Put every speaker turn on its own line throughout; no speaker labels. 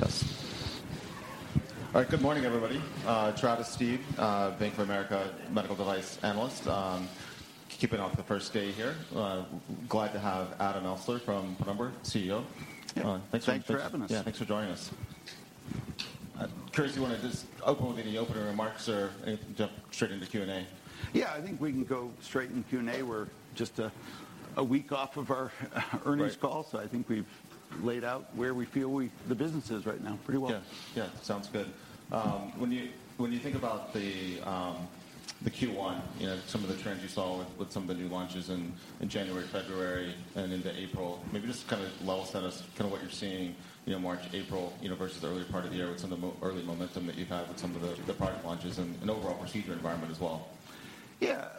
Yes. All right. Good morning, everybody. Travis Steed, Bank of America medical device analyst. Kicking off the first day here. Glad to have Adam Elsesser from Penumbra, CEO on.
Thanks for having us.
Yeah. Thanks for joining us. Curtis, you wanna just open with any opening remarks or jump straight into Q&A?
Yeah, I think we can go straight into Q&A. We're just a week off of our earnings call.
Right.
I think we've laid out where we feel the business is right now pretty well.
Yeah. Yeah. Sounds good. When you think about the Q1, you know, some of the trends you saw with some of the new launches in January, February, and into April, maybe just to kind of level set us kinda what you're seeing, you know, March, April, you know, versus the earlier part of the year with some of the early momentum that you've had with some of the product launches and overall procedure environment as well.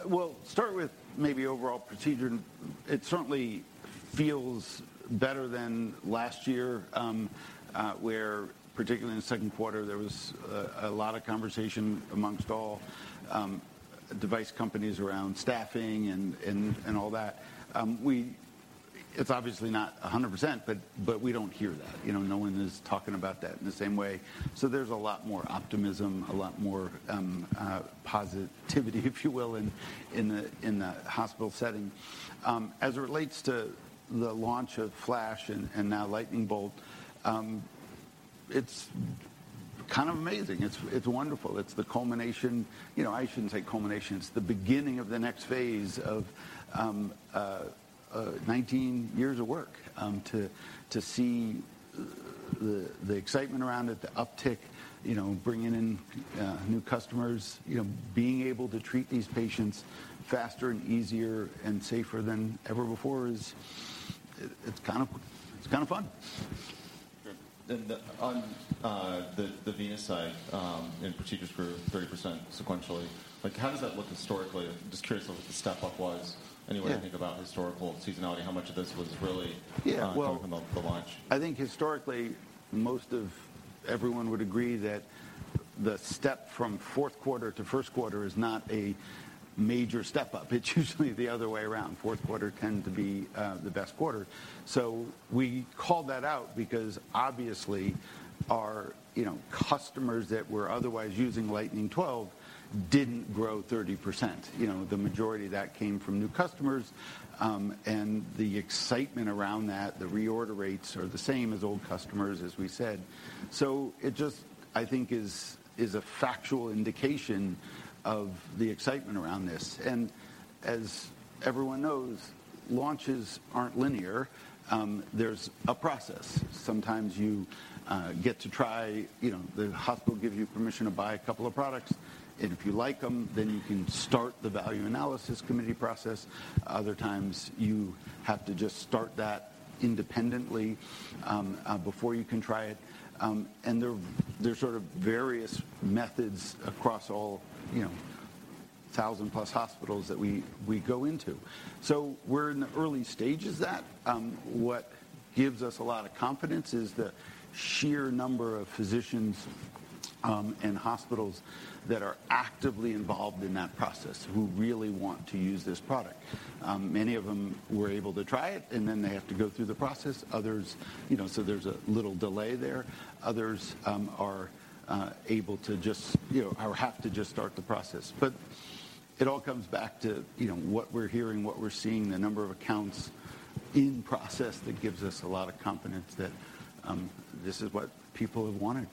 We'll start with maybe overall procedure. It certainly feels better than last year, where particularly in the second quarter there was a lot of conversation amongst all device companies around staffing and all that. It's obviously not 100%, but we don't hear that. You know, no one is talking about that in the same way. There's a lot more optimism, a lot more positivity, if you will, in the hospital setting. As it relates to the launch of Flash and now Lightning Bolt, it's kind of amazing. It's wonderful. It's the culmination. You know, I shouldn't say culmination. It's the beginning of the next phase of, 19 years of work, to see the excitement around it, the uptick, you know, bringing in, new customers. You know, being able to treat these patients faster and easier and safer than ever before is, it's kind of fun.
Sure. On, the venous side, procedures grew 30% sequentially, like, how does that look historically? I'm just curious what the step-up was.
Yeah.
Any way to think about historical seasonality, how much of this was really-
Yeah.
coming from the launch.
I think historically most of everyone would agree that the step from fourth quarter to first quarter is not a major step up. It's usually the other way around. Fourth quarter tends to be the best quarter. We called that out because obviously our, you know, customers that were otherwise using Lightning 12 didn't grow 30%. You know, the majority of that came from new customers. The excitement around that, the reorder rates are the same as old customers, as we said. It just, I think is a factual indication of the excitement around this. As everyone knows, launches aren't linear. There's a process. Sometimes you get to try, you know, the hospital gives you permission to buy a couple of products, and if you like them, then you can start the value analysis committee process. Other times you have to just start that independently, before you can try it. There, there are sort of various methods across all, you know, 1,000+ hospitals that we go into. We're in the early stages of that. What gives us a lot of confidence is the sheer number of physicians and hospitals that are actively involved in that process who really want to use this product. Many of them were able to try it, and then they have to go through the process. Others, you know, there's a little delay there. Others, are able to just, you know, or have to just start the process. It all comes back to, you know, what we're hearing, what we're seeing, the number of accounts in process that gives us a lot of confidence that this is what people are wanting.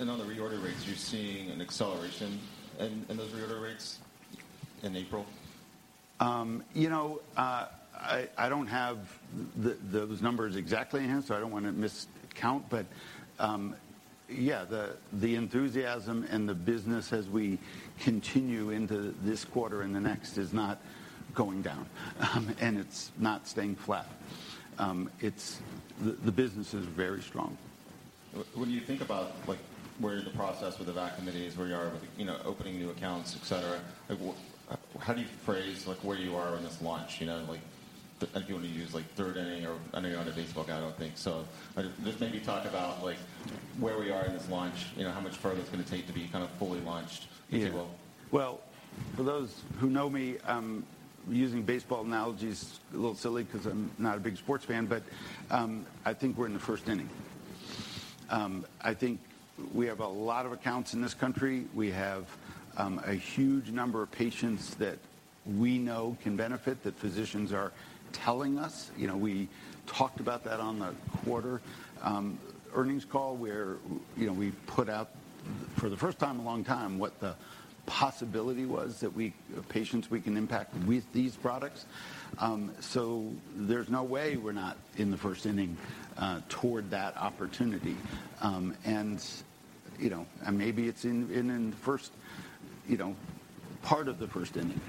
On the reorder rates, are you seeing an acceleration in those reorder rates in April?
You know, I don't have those numbers exactly enhanced, so I don't wanna miscount, but, yeah, the enthusiasm and the business as we continue into this quarter and the next is not going down. It's not staying flat. The business is very strong.
When you think about, like, where you're in the process with the VAC committees, where you are with, you know, opening new accounts, et cetera, like, how do you phrase, like, where you are in this launch? You know, like, if you want to use, like, third inning. I know you're not a baseball guy, I don't think. Just maybe talk about, like, where we are in this launch. You know, how much further it's gonna take to be kind of fully launched, if you will?
For those who know me, using baseball analogy is a little silly 'cause I'm not a big sports fan, but, I think we're in the first inning. I think we have a lot of accounts in this country. We have, a huge number of patients that we know can benefit, that physicians are telling us. You know, we talked about that on the quarter, earnings call where, you know, we put out for the first time in a long time what the possibility was patients we can impact with these products. There's no way we're not in the first inning, toward that opportunity. You know, and maybe it's in the first, you know, part of the first inning.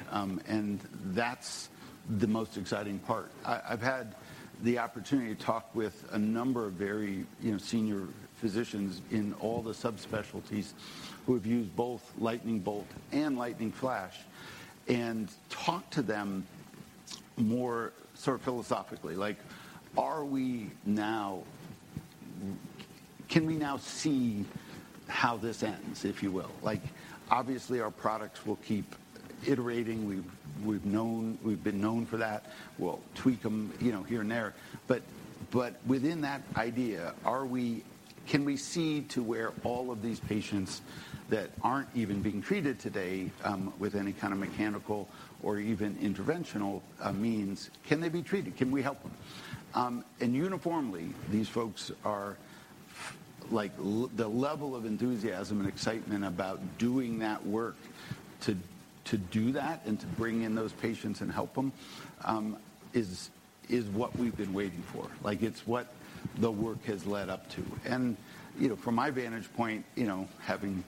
That's the most exciting part. I've had the opportunity to talk with a number of very, you know, senior physicians in all the subspecialties who have used both Lightning Bolt and Lightning Flash and talk to them more sort of philosophically, like, Can we now see how this ends, if you will? Like, obviously our products will keep iterating. We've been known for that. We'll tweak them, you know, here and there. But within that idea, can we see to where all of these patients that aren't even being treated today, with any kind of mechanical or even interventional means, can they be treated? Can we help them? Uniformly, these folks are like, the level of enthusiasm and excitement about doing that work to do that and to bring in those patients and help them, is what we've been waiting for. Like, it's what the work has led up to. You know, from my vantage point, you know, having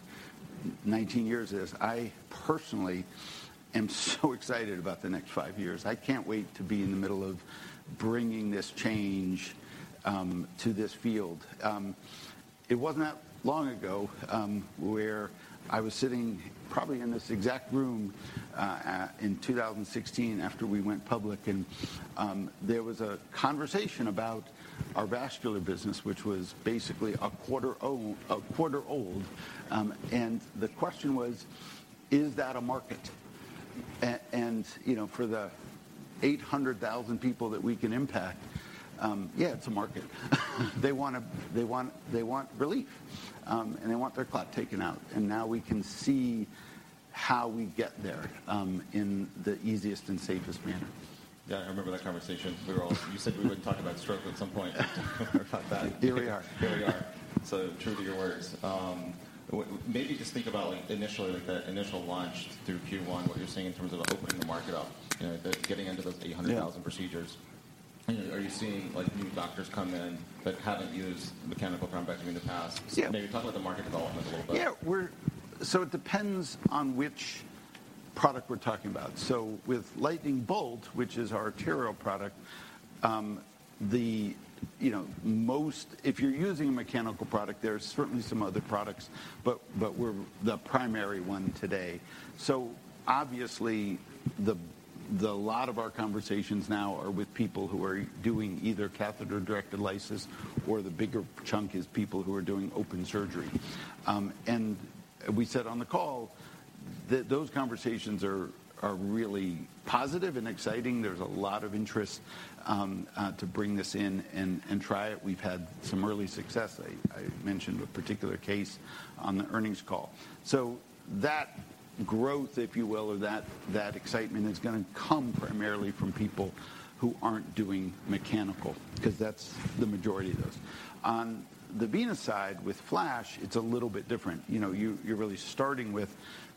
19 years of this, I personally am so excited about the next five years. I can't wait to be in the middle of bringing this change to this field. It wasn't that long ago, where I was sitting probably in this exact room, in 2016 after we went public, there was a conversation about our vascular business, which was basically a quarter old. The question was, "Is that a market?" And, you know, for the 800,000 people that we can impact, yeah, it's a market. They wanna, they want relief, and they want their clot taken out, and now we can see how we get there, in the easiest and safest manner.
Yeah, I remember that conversation. You said we would talk about stroke at some point.
I thought that. Here we are.
Here we are. True to your words. maybe just think about like initially, like the initial launch through Q1, what you're seeing in terms of opening the market up, you know, getting into those 800,000 procedures.
Yeah.
Are you seeing like new doctors come in that haven't used mechanical thrombectomy in the past?
Yeah.
Maybe talk about the market development a little bit.
Yeah. It depends on which product we're talking about. With Lightning Bolt, which is our arterial product, the, you know, most... If you're using a mechanical product, there are certainly some other products, but we're the primary one today. Obviously the lot of our conversations now are with people who are doing either catheter-directed lysis or the bigger chunk is people who are doing open surgery. We said on the call that those conversations are really positive and exciting. There's a lot of interest to bring this in and try it. We've had some early success. I mentioned a particular case on the earnings call. That growth, if you will, or that excitement is gonna come primarily from people who aren't doing mechanical 'cause that's the majority of those. On the venous side with Flash, it's a little bit different. You know, you're really starting with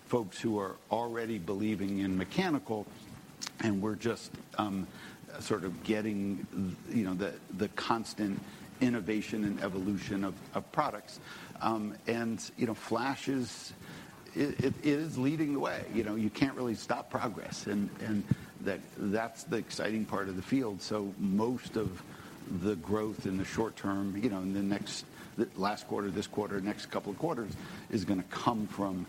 folks who are already believing in mechanical, and we're just sort of getting, you know, the constant innovation and evolution of products. And you know, Flash is. It is leading the way. You know, you can't really stop progress and that's the exciting part of the field. Most of the growth in the short term, you know, in the next Last quarter, this quarter, next couple of quarters, is gonna come from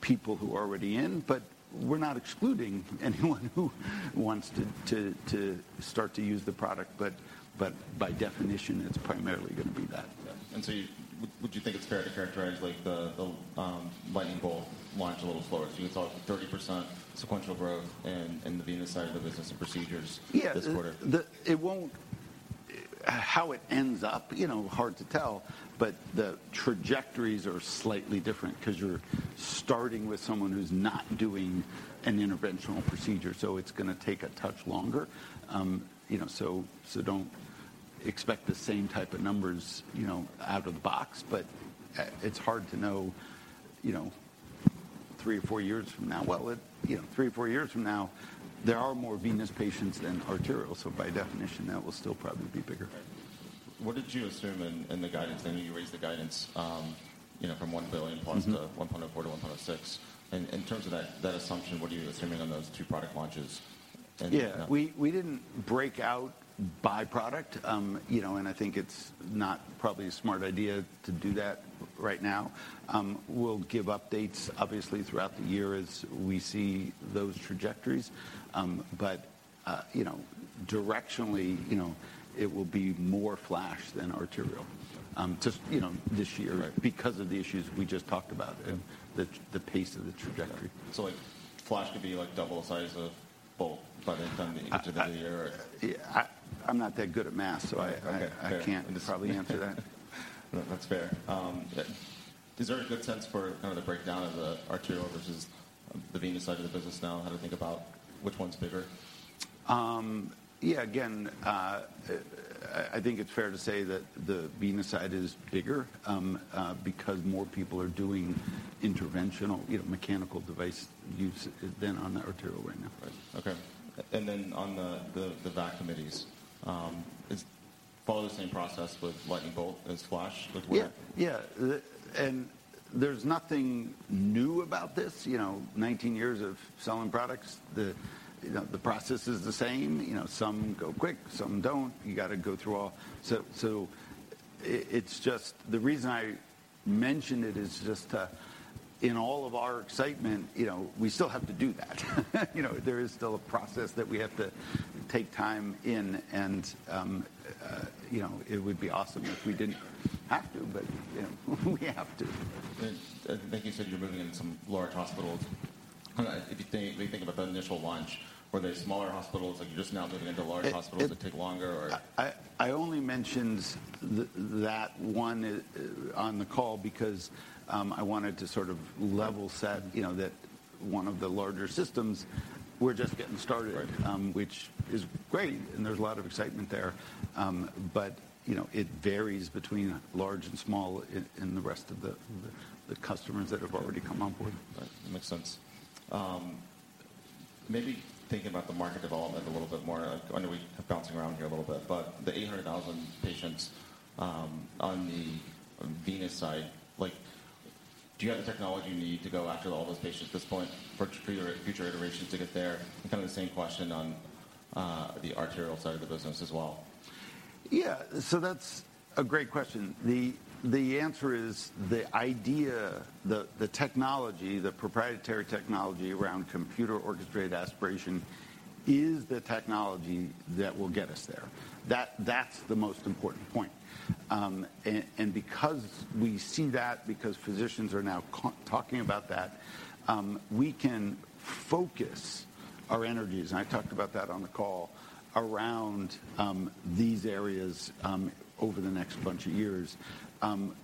people who are already in. We're not excluding anyone who wants to start to use the product, but by definition, it's primarily gonna be that.
Yeah. Would you think it's fair to characterize like the Lightning Bolt launch a little slower, 'cause it's all 30% sequential growth in the venous side of the business and procedures?
Yeah.
This quarter?
How it ends up, you know, hard to tell, the trajectories are slightly different 'cause you're starting with someone who's not doing an interventional procedure, so it's gonna take a touch longer. Don't expect the same type of numbers, you know, out of the box. It's hard to know, you know, three or four years from now. You know, three or four years from now, there are more venous patients than arterial, by definition, that will still probably be bigger.
Right. What did you assume in the guidance? I know you raised the guidance, you know, from $1 billion+ to $1.4 billion to $1.56 billion. In terms of that assumption, what are you assuming on those two product launches and-
Yeah.
you know?
We didn't break out by product. you know, and I think it's not probably a smart idea to do that right now. we'll give updates obviously throughout the year as we see those trajectories. you know, directionally, you know, it will be more Flash than arterial.
Okay.
Just, you know, this year.
Right.
Because of the issues we just talked about and the pace of the trajectory.
like, Flash could be like double the size of Bolt by the end of the year?
I. Yeah. I'm not that good at math, so I.
Okay. Fair.
I can't probably answer that.
No, that's fair. Is there a good sense for kind of the breakdown of the arterial versus the venous side of the business now and how to think about which one's bigger?
Yeah. Again, I think it's fair to say that the venous side is bigger, because more people are doing interventional, you know, mechanical device use than on the arterial right now.
Right. Okay. On the VAC committees, follow the same process with Lightning Bolt as Flash?
Yeah. Yeah. There's nothing new about this. You know, 19 years of selling products, you know, the process is the same. You know, some go quick, some don't. You gotta go through all. The reason I mention it is just to in all of our excitement, you know, we still have to do that. You know, there is still a process that we have to take time in, and, you know, it would be awesome if we didn't have to, but, you know, we have to.
I think you said you're moving into some large hospitals. Kind of when you think about that initial launch, were they smaller hospitals that you're just now moving into larger hospitals that take longer or?
I only mentioned that one on the call because I wanted to sort of level-set, you know, that one of the larger systems, we're just getting started-
Right...
which is great, and there's a lot of excitement there. You know, it varies between large and small in the rest of the customers that have already come on board.
Right. That makes sense. Maybe thinking about the market development a little bit more. I know we have bouncing around here a little bit, but the 800,000 patients, on the venous side, like, do you have the technology you need to go after all those patients at this point for future iterations to get there? Kind of the same question on the arterial side of the business as well.
Yeah. That's a great question. The answer is the idea, the technology, the proprietary technology around Computer-Orchestrated Aspiration is the technology that will get us there. That's the most important point. Because we see that, because physicians are now talking about that, we can focus our energies, and I talked about that on the call, around these areas over the next bunch of years.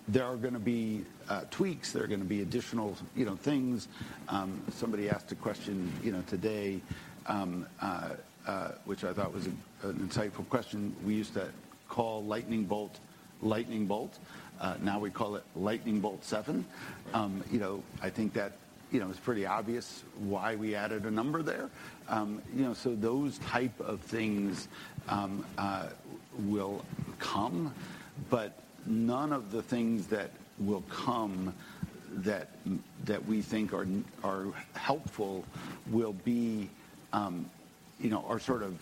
There are gonna be tweaks. There are gonna be additional, you know, things. Somebody asked a question, you know, today, which I thought was an insightful question. We used to call Lightning Bolt. Now we call it Lightning Bolt 7. You know, I think that, you know, it's pretty obvious why we added a number there. You know, those type of things will come, but none of the things that will come that we think are helpful will be, you know, are sort of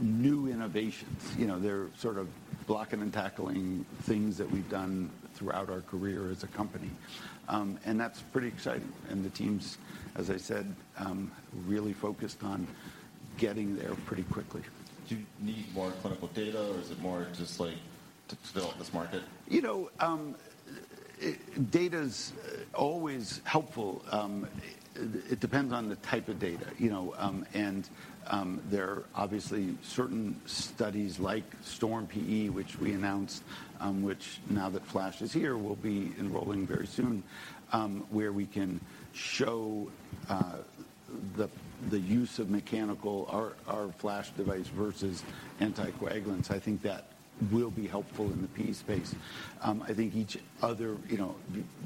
new innovations. You know, they're sort of blocking and tackling things that we've done throughout our career as a company. That's pretty exciting. The team's, as I said, really focused on getting there pretty quickly.
Do you need more clinical data, or is it more just like to develop this market?
You know, data's always helpful. It depends on the type of data, you know, there are obviously certain studies like STORM-PE, which we announced, which now that FLASH is here, we'll be enrolling very soon, where we can show, the use of mechanical. Our FLASH device versus anticoagulants. I think that will be helpful in the PE space. I think each other, you know,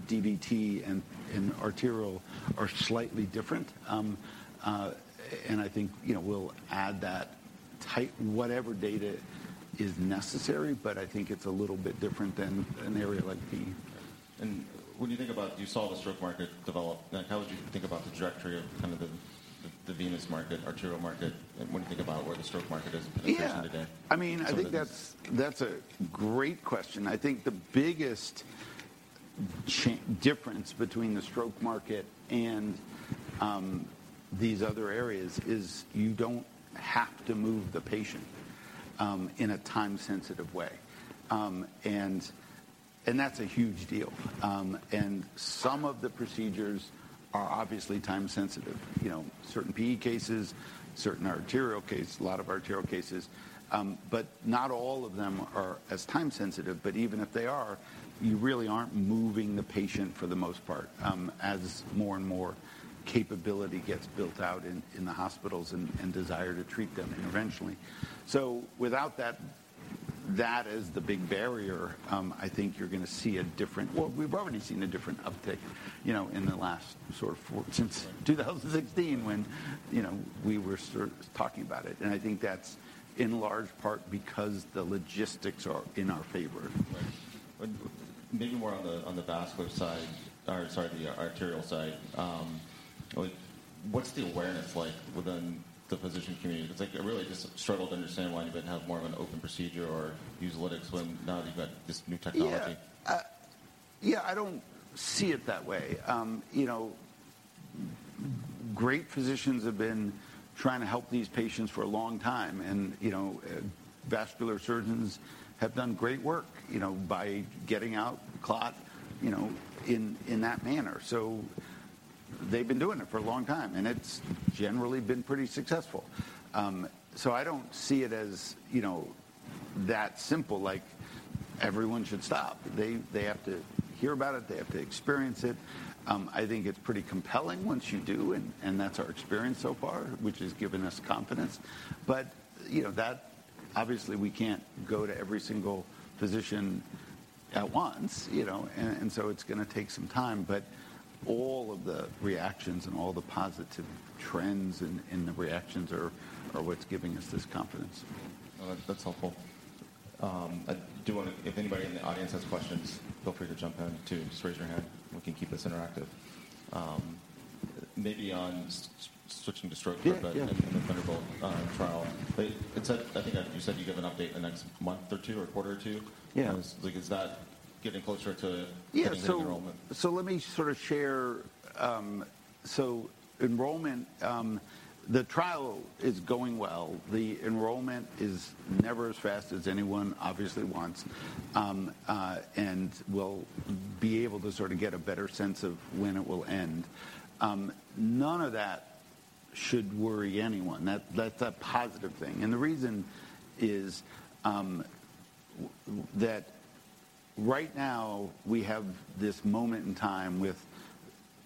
DVT and arterial are slightly different. I think, you know, we'll add that type whatever data is necessary, I think it's a little bit different than an area like PE.
When you think about You saw the stroke market develop. Like, how would you think about the trajectory of kind of the venous market, arterial market, and when you think about where the stroke market is in relation today?
Yeah. I mean.
So the-
I think that's a great question. I think the biggest difference between the stroke market and these other areas is you don't have to move the patient in a time-sensitive way. That's a huge deal. Some of the procedures are obviously time-sensitive. You know, certain PE cases, certain arterial case, a lot of arterial cases. Not all of them are as time-sensitive. Even if they are, you really aren't moving the patient for the most part, as more and more capability gets built out in the hospitals and desire to treat them interventionally. Without that is the big barrier. I think you're gonna see a different. Well, we've already seen a different uptick, you know, since 2016 when, you know, we were sort of talking about it. I think that's in large part because the logistics are in our favor.
Right. Maybe more on the, on the vascular side or, sorry, the arterial side. like, what's the awareness like within the physician community? It's like I really just struggle to understand why you would have more of an open procedure or use lytics when now that you've got this new technology.
Yeah. Yeah, I don't see it that way. You know, great physicians have been trying to help these patients for a long time and, you know, vascular surgeons have done great work, you know, by getting out clot, you know, in that manner. They've been doing it for a long time, and it's generally been pretty successful. I don't see it as, you know, that simple, like everyone should stop. They have to hear about it. They have to experience it. I think it's pretty compelling once you do, and that's our experience so far, which has given us confidence. You know, Obviously, we can't go to every single physician at once, you know, and so it's gonna take some time. All of the reactions and all the positive trends and the reactions are what's giving us this confidence.
Well, that's helpful. I do wanna... If anybody in the audience has questions, feel free to jump in too. Just raise your hand. We can keep this interactive. Maybe on switching to stroke for a bit.
Yeah, yeah.
The Thunderbolt trial. It said, I think you said you'd give an update in the next month or two or quarter two.
Yeah.
Like, is that getting closer?
Yeah.
Getting enrollment?
Let me sort of share. Enrollment, the trial is going well. The enrollment is never as fast as anyone obviously wants. We'll be able to sort of get a better sense of when it will end. None of that should worry anyone. That's a positive thing. The reason is that right now we have this moment in time with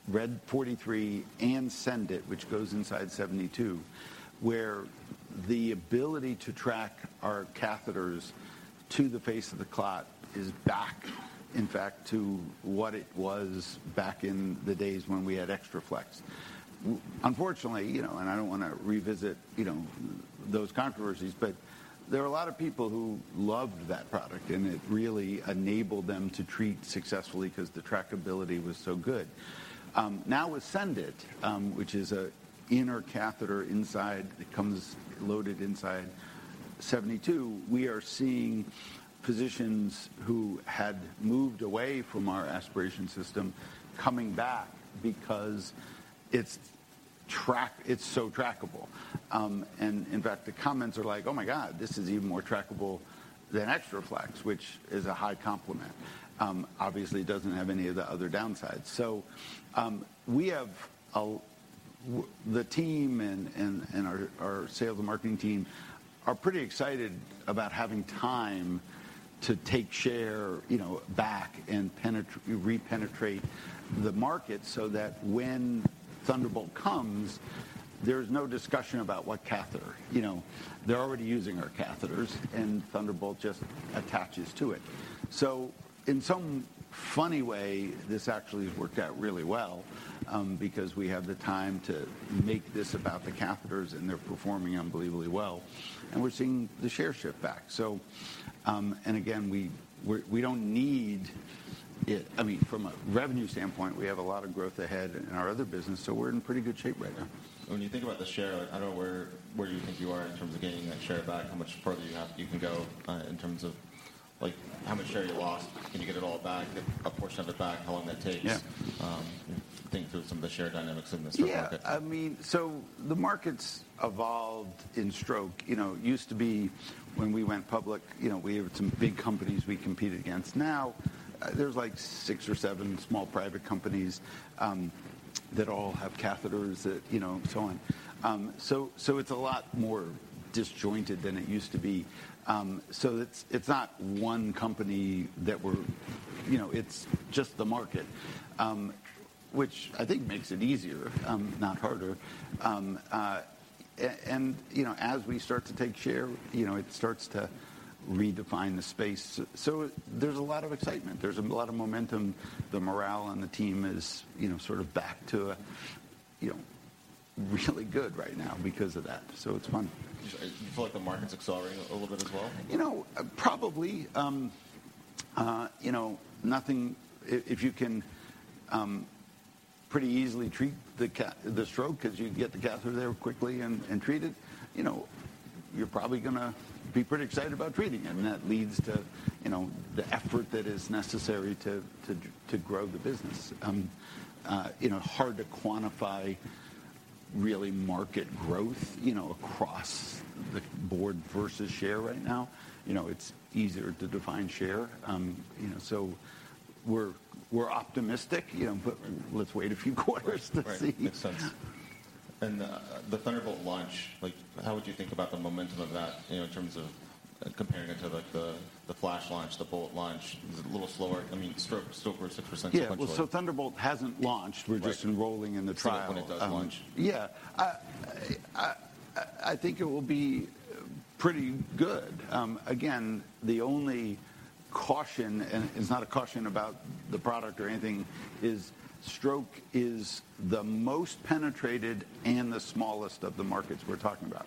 RED 43 and SENDit, which goes inside 72, where the ability to track our catheters to the face of the clot is back in fact to what it was back in the days when we had Xtra Flex. Unfortunately, you know, and I don't wanna revisit, you know, those controversies, but there are a lot of people who loved that product, and it really enabled them to treat successfully because the trackability was so good. Now with SENDit, which is a inner catheter inside, it comes loaded inside 72, we are seeing physicians who had moved away from our aspiration system coming back because it's so trackable. In fact, the comments are like, "Oh my god, this is even more trackable than Xtra Flex," which is a high compliment. Obviously it doesn't have any of the other downsides. We have The team and our sales and marketing team are pretty excited about having time to take share, you know, back and re-penetrate the market so that when Thunderbolt comes, there's no discussion about what catheter? You know, they're already using our catheters, and Thunderbolt just attaches to it. In some funny way, this actually worked out really well because we have the time to make this about the catheters, and they're performing unbelievably well. We're seeing the share shift back. Again, we don't need it. I mean, from a revenue standpoint, we have a lot of growth ahead in our other business, so we're in pretty good shape right now.
When you think about the share, like I don't know where you think you are in terms of gaining that share back, how much further you can go in terms of, like, how much share you lost. Can you get it all back? Get a portion of it back? How long that takes?
Yeah.
Think through some of the share dynamics in the stroke market.
Yeah. I mean, the market's evolved in stroke. You know, it used to be when we went public, you know, we have some big companies we compete against. Now, there's like six or seven small private companies that all have catheters that, you know, and so on. It's a lot more disjointed than it used to be. It's not one company that we're... You know, it's just the market. Which I think makes it easier, not harder. You know, as we start to take share, you know, it starts to redefine the space. There's a lot of excitement. There's a lot of momentum. The morale on the team is, you know, sort of back to, you know, really good right now because of that. It's fun.
Do you feel like the market's accelerating a little bit as well?
You know, probably. You know, nothing. If you can pretty easily treat the stroke because you can get the catheter there quickly and treat it, you know, you're probably gonna be pretty excited about treating it. That leads to, you know, the effort that is necessary to grow the business. You know, hard to quantify really market growth, you know, across the board versus share right now. You know, it's easier to define share. You know, we're optimistic, you know, but let's wait a few quarters to see.
Right. Makes sense. The Thunderbolt launch, like how would you think about the momentum of that, you know, in terms of comparing it to like the Flash launch, the Bolt launch? Is it a little slower? I mean, stroke's still growing 6% sequentially.
Yeah. Well, Thunderbolt hasn't launched.
Right.
We're just enrolling in the trial.
When it does launch.
Yeah. I think it will be pretty good. Again, the only caution, and it's not a caution about the product or anything, is stroke is the most penetrated and the smallest of the markets we're talking about.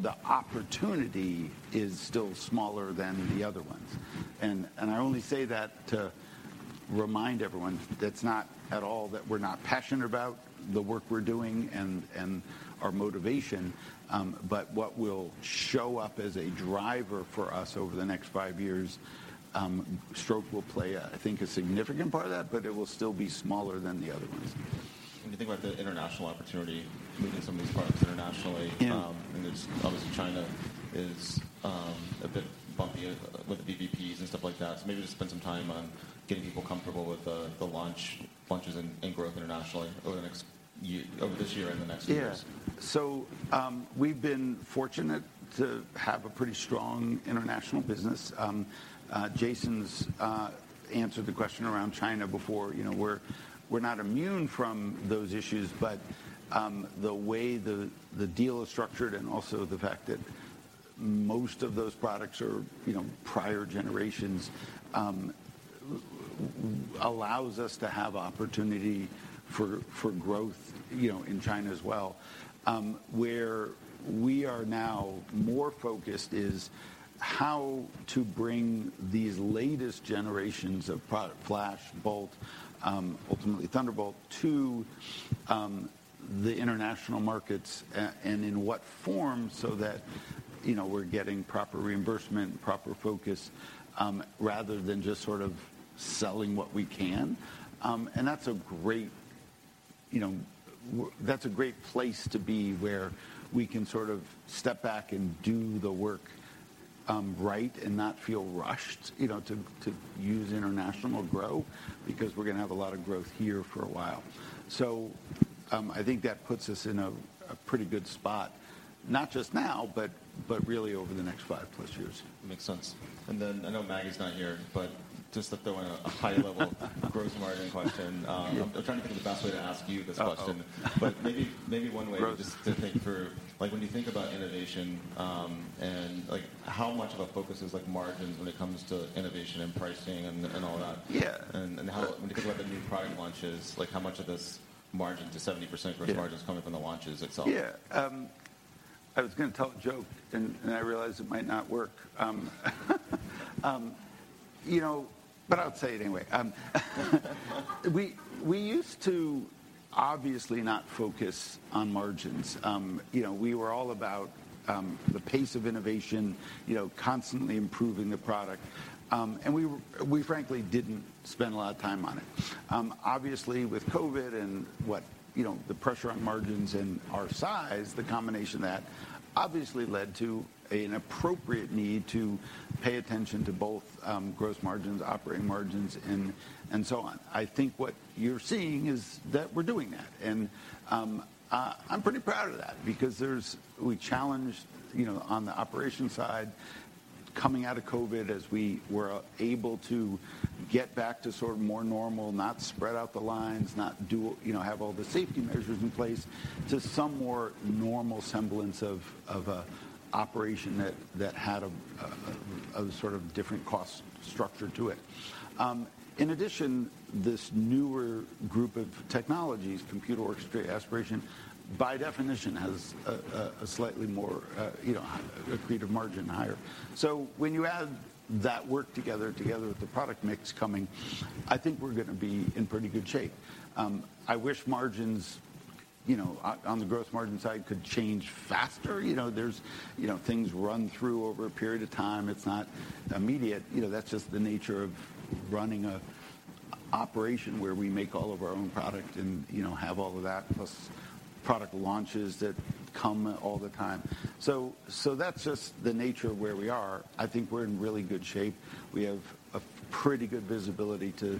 The opportunity is still smaller than the other ones. I only say that to remind everyone that's not at all that we're not passionate about the work we're doing and our motivation. What will show up as a driver for us over the next five years, stroke will play, I think, a significant part of that, but it will still be smaller than the other ones.
When you think about the international opportunity, moving some of these products internationally.
Yeah.
I mean, there's obviously China is, a bit bumpy with the VBPs and stuff like that. Maybe just spend some time on getting people comfortable with the launches and growth internationally over this year and the next few years.
Yeah. We've been fortunate to have a pretty strong international business. Jason's answered the question around China before. You know, we're not immune from those issues, but the way the deal is structured and also the fact that most of those products are, you know, prior generations, allows us to have opportunity for growth, you know, in China as well. Where we are now more focused is how to bring these latest generations of product, Flash, Bolt, ultimately Thunderbolt, to the international markets and in what form so that, you know, we're getting proper reimbursement, proper focus, rather than just sort of selling what we can. That's a great, you know, that's a great place to be where we can sort of step back and do the work, right and not feel rushed, you know, to use international grow because we're gonna have a lot of growth here for a while. I think that puts us in a pretty good spot, not just now, but really over the next five plus years.
Makes sense. I know Maggie's not here, but just to throw in a high-level gross margin question. I'm trying to think of the best way to ask you this question.
Uh-oh.
Maybe one way just to think through, like when you think about innovation, and like how much of a focus is like margins when it comes to innovation and pricing and all that?
Yeah.
When you think about the new product launches, like how much of this margin to 70%-
Yeah....
gross margin is coming from the launches itself?
Yeah. I was gonna tell a joke and I realized it might not work. You know, I'll say it anyway. We used to obviously not focus on margins. You know, we were all about the pace of innovation, you know, constantly improving the product. We frankly didn't spend a lot of time on it. Obviously with COVID and what, you know, the pressure on margins and our size, the combination of that obviously led to an appropriate need to pay attention to both gross margins, operating margins, and so on. I think what you're seeing is that we're doing that. I'm pretty proud of that because we challenged, you know, on the operations side coming out of COVID as we were able to get back to sort of more normal, not spread out the lines, not do, you know, have all the safety measures in place to some more normal semblance of a operation that had a sort of different cost structure to it. In addition, this newer group of technologies, computer-orchestrated aspiration, by definition has a slightly more, you know, accretive margin higher. When you add that work together with the product mix coming, I think we're gonna be in pretty good shape. I wish margins, you know, on the gross margin side could change faster. You know, there's things run through over a period of time. It's not immediate. You know, that's just the nature of running a operation where we make all of our own product and, you know, have all of that plus product launches that come all the time. That's just the nature of where we are. I think we're in really good shape. We have a pretty good visibility to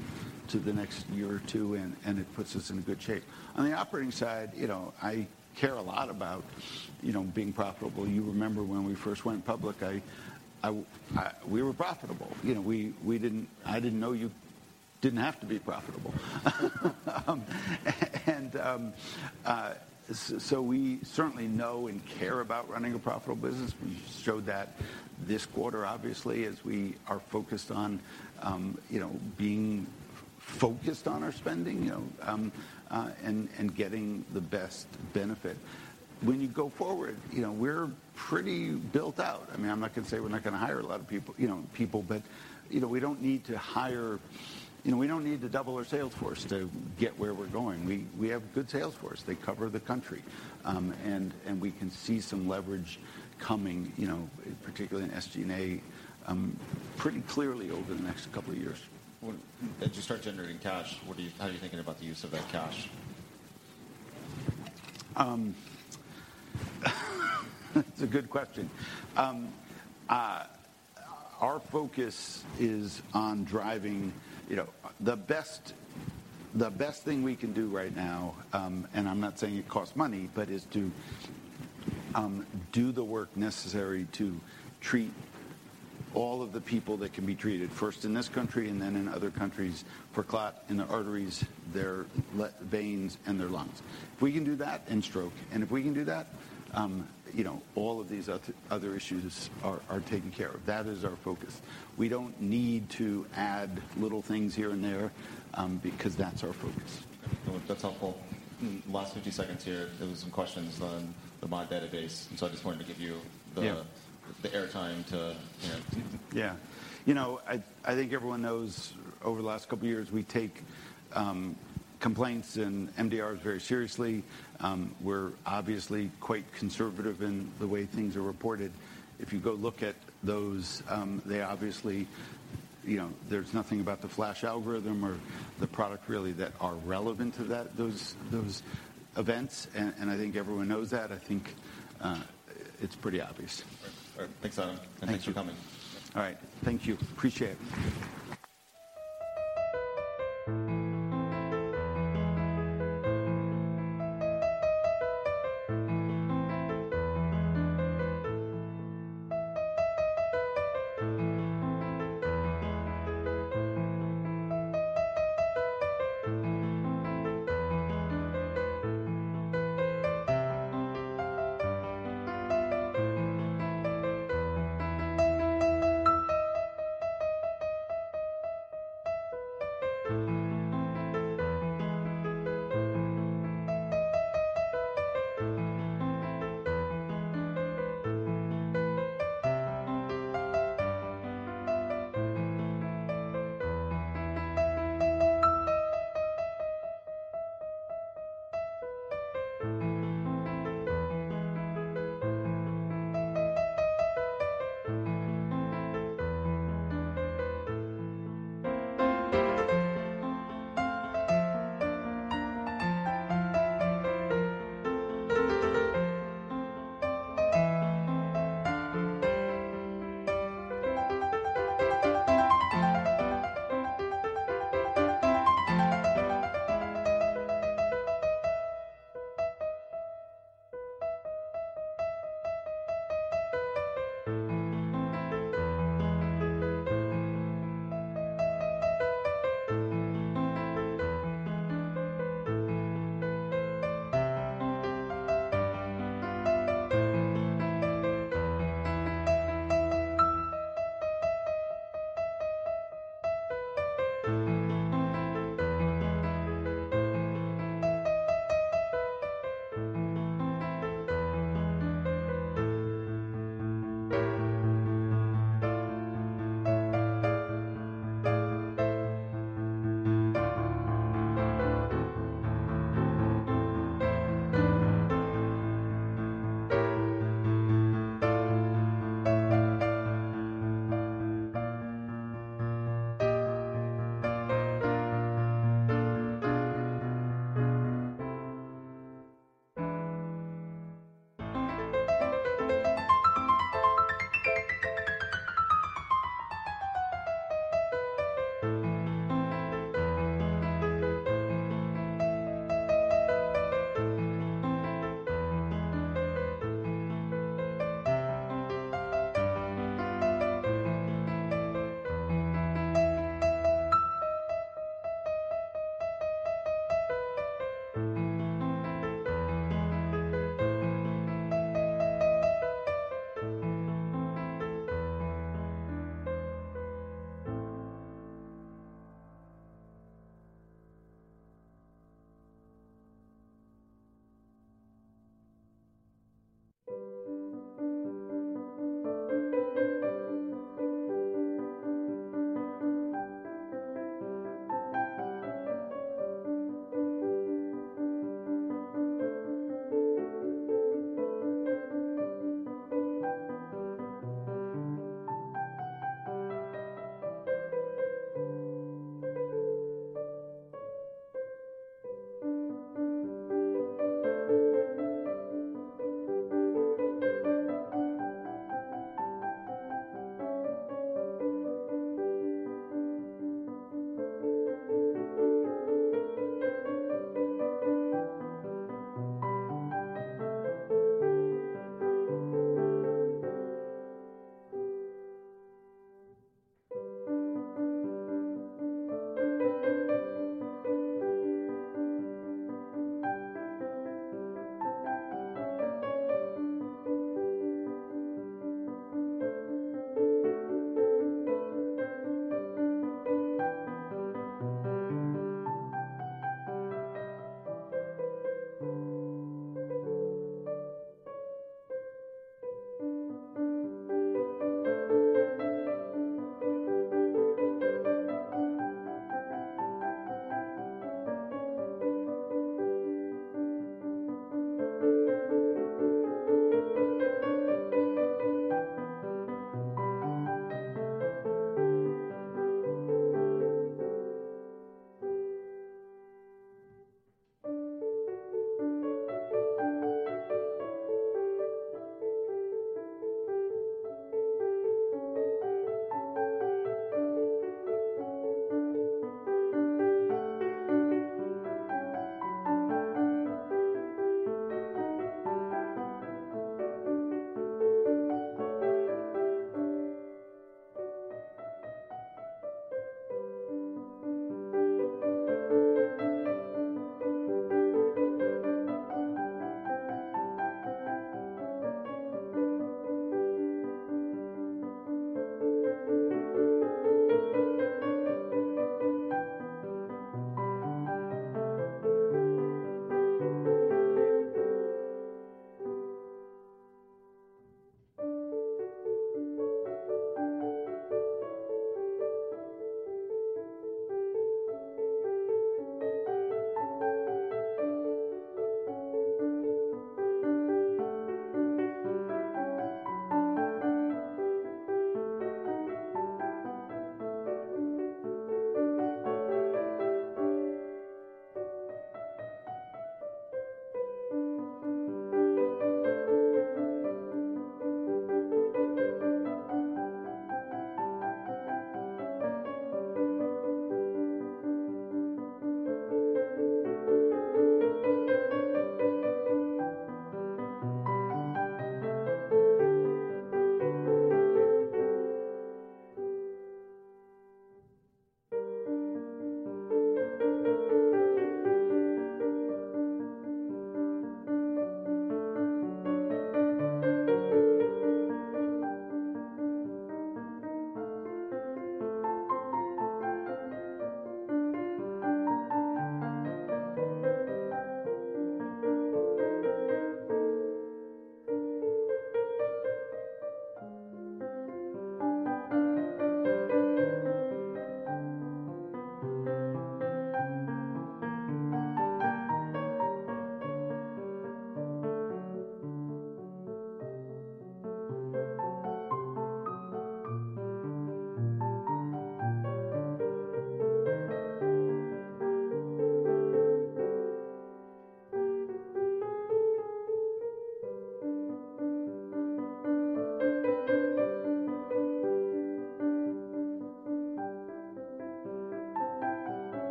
the next year or two, and it puts us in a good shape. On the operating side, you know, I care a lot about, you know, being profitable. You remember when we first went public, I we were profitable. You know, I didn't know you didn't have to be profitable. We certainly know and care about running a profitable business. We showed that this quarter, obviously, as we are focused on, you know, being focused on our spending, you know, and getting the best benefit. When you go forward, you know, we're pretty built out. I mean, I'm not gonna say we're not gonna hire a lot of people, but, you know, we don't need to hire... You know, we don't need to double our sales force to get where we're going. We have good sales force. They cover the country. We can see some leverage coming, you know, particularly in SG&A, pretty clearly over the next couple of years.
As you start generating cash, how are you thinking about the use of that cash?
That's a good question. Our focus is on driving, you know, the best thing we can do right now, and I'm not saying it costs money, but is to do the work necessary to treat all of the people that can be treated first in this country and then in other countries for clot in their arteries, their veins and their lungs. If we can do that, and stroke, and if we can do that, you know, all of these other issues are taken care of. That is our focus. We don't need to add little things here and there, because that's our focus.
That's helpful. Last 50 seconds here. There were some questions on the MAUDE database. I just wanted to give you the-
Yeah....
the airtime to, you know.
Yeah. You know, I think everyone knows over the last couple of years, we take complaints and MDRs very seriously. We're obviously quite conservative in the way things are reported. If you go look at those, they obviously, you know, there's nothing about the Flash algorithm or the product really that are relevant to those events. I think everyone knows that. I think it's pretty obvious.
All right. All right. Thanks, Adam.
Thank you.
Thanks for coming.
All right. Thank you. Appreciate it.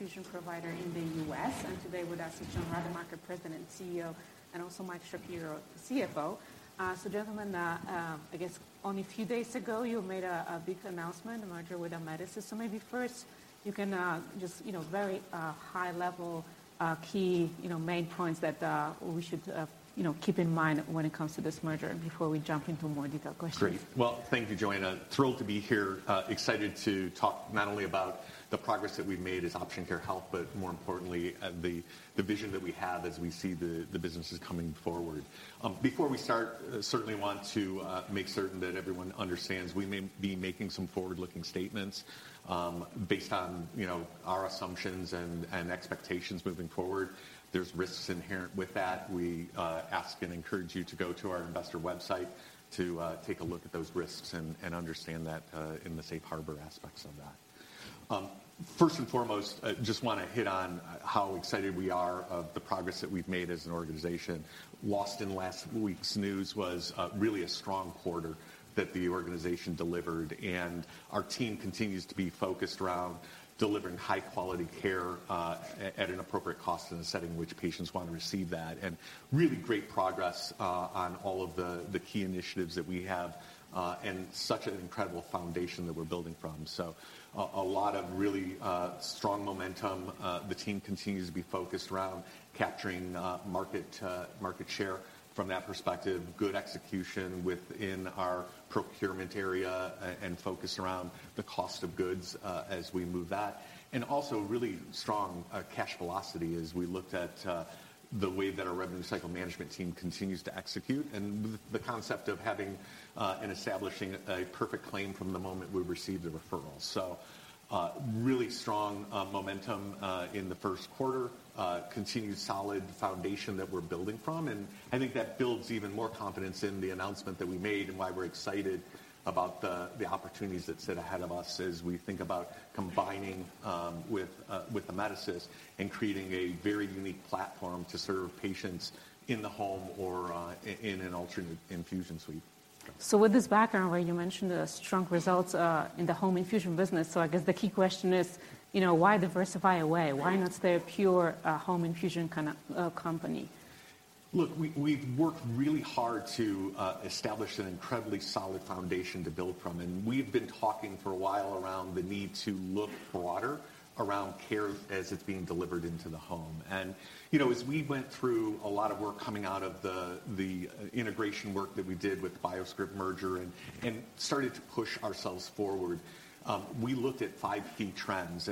With Option Care, the largest home infusion provider in the U.S., today with us is John Rademacher, President and CEO, and also Mike Shapiro, the CFO. Gentlemen, I guess only a few days ago, you made a big announcement, a merger with Amedisys. Maybe first you can, just, you know, very high level, key, you know, main points that we should, you know, keep in mind when it comes to this merger and before we jump into more detailed questions.
Great. Well, thank you, Joanna. Thrilled to be here, excited to talk not only about the progress that we've made as Option Care Health, more importantly, the vision that we have as we see the businesses coming forward. Before we start, certainly want to make certain that everyone understands we may be making some forward-looking statements, based on, you know, our assumptions and expectations moving forward. There's risks inherent with that. We ask and encourage you to go to our investor website to take a look at those risks and understand that, in the safe harbor aspects of that. First and foremost, just wanna hit on how excited we are of the progress that we've made as an organization. Lost in last week's news was really a strong quarter that the organization delivered. Our team continues to be focused around delivering high quality care, at an appropriate cost in a setting which patients wanna receive that. Really great progress on all of the key initiatives that we have. Such an incredible foundation that we're building from. A lot of really strong momentum. The team continues to be focused around capturing market share from that perspective. Good execution within our procurement area and focus around the cost of goods as we move that. Also really strong cash velocity as we looked at the way that our revenue cycle management team continues to execute and the concept of having and establishing a perfect claim from the moment we receive the referral. Really strong momentum in the first quarter. Continued solid foundation that we're building from, and I think that builds even more confidence in the announcement that we made and why we're excited about the opportunities that sit ahead of us as we think about combining with Amedisys and creating a very unique platform to serve patients in the home or in an alternate infusion suite.
With this background where you mentioned the strong results, in the home infusion business, so I guess the key question is, you know, why diversify away?
Right.
Why not stay a pure, home infusion kind of, company?
Look, we've worked really hard to establish an incredibly solid foundation to build from, we've been talking for a while around the need to look broader around care as it's being delivered into the home. You know, as we went through a lot of work coming out of the integration work that we did with the BioScrip merger and started to push ourselves forward, we looked at five key trends.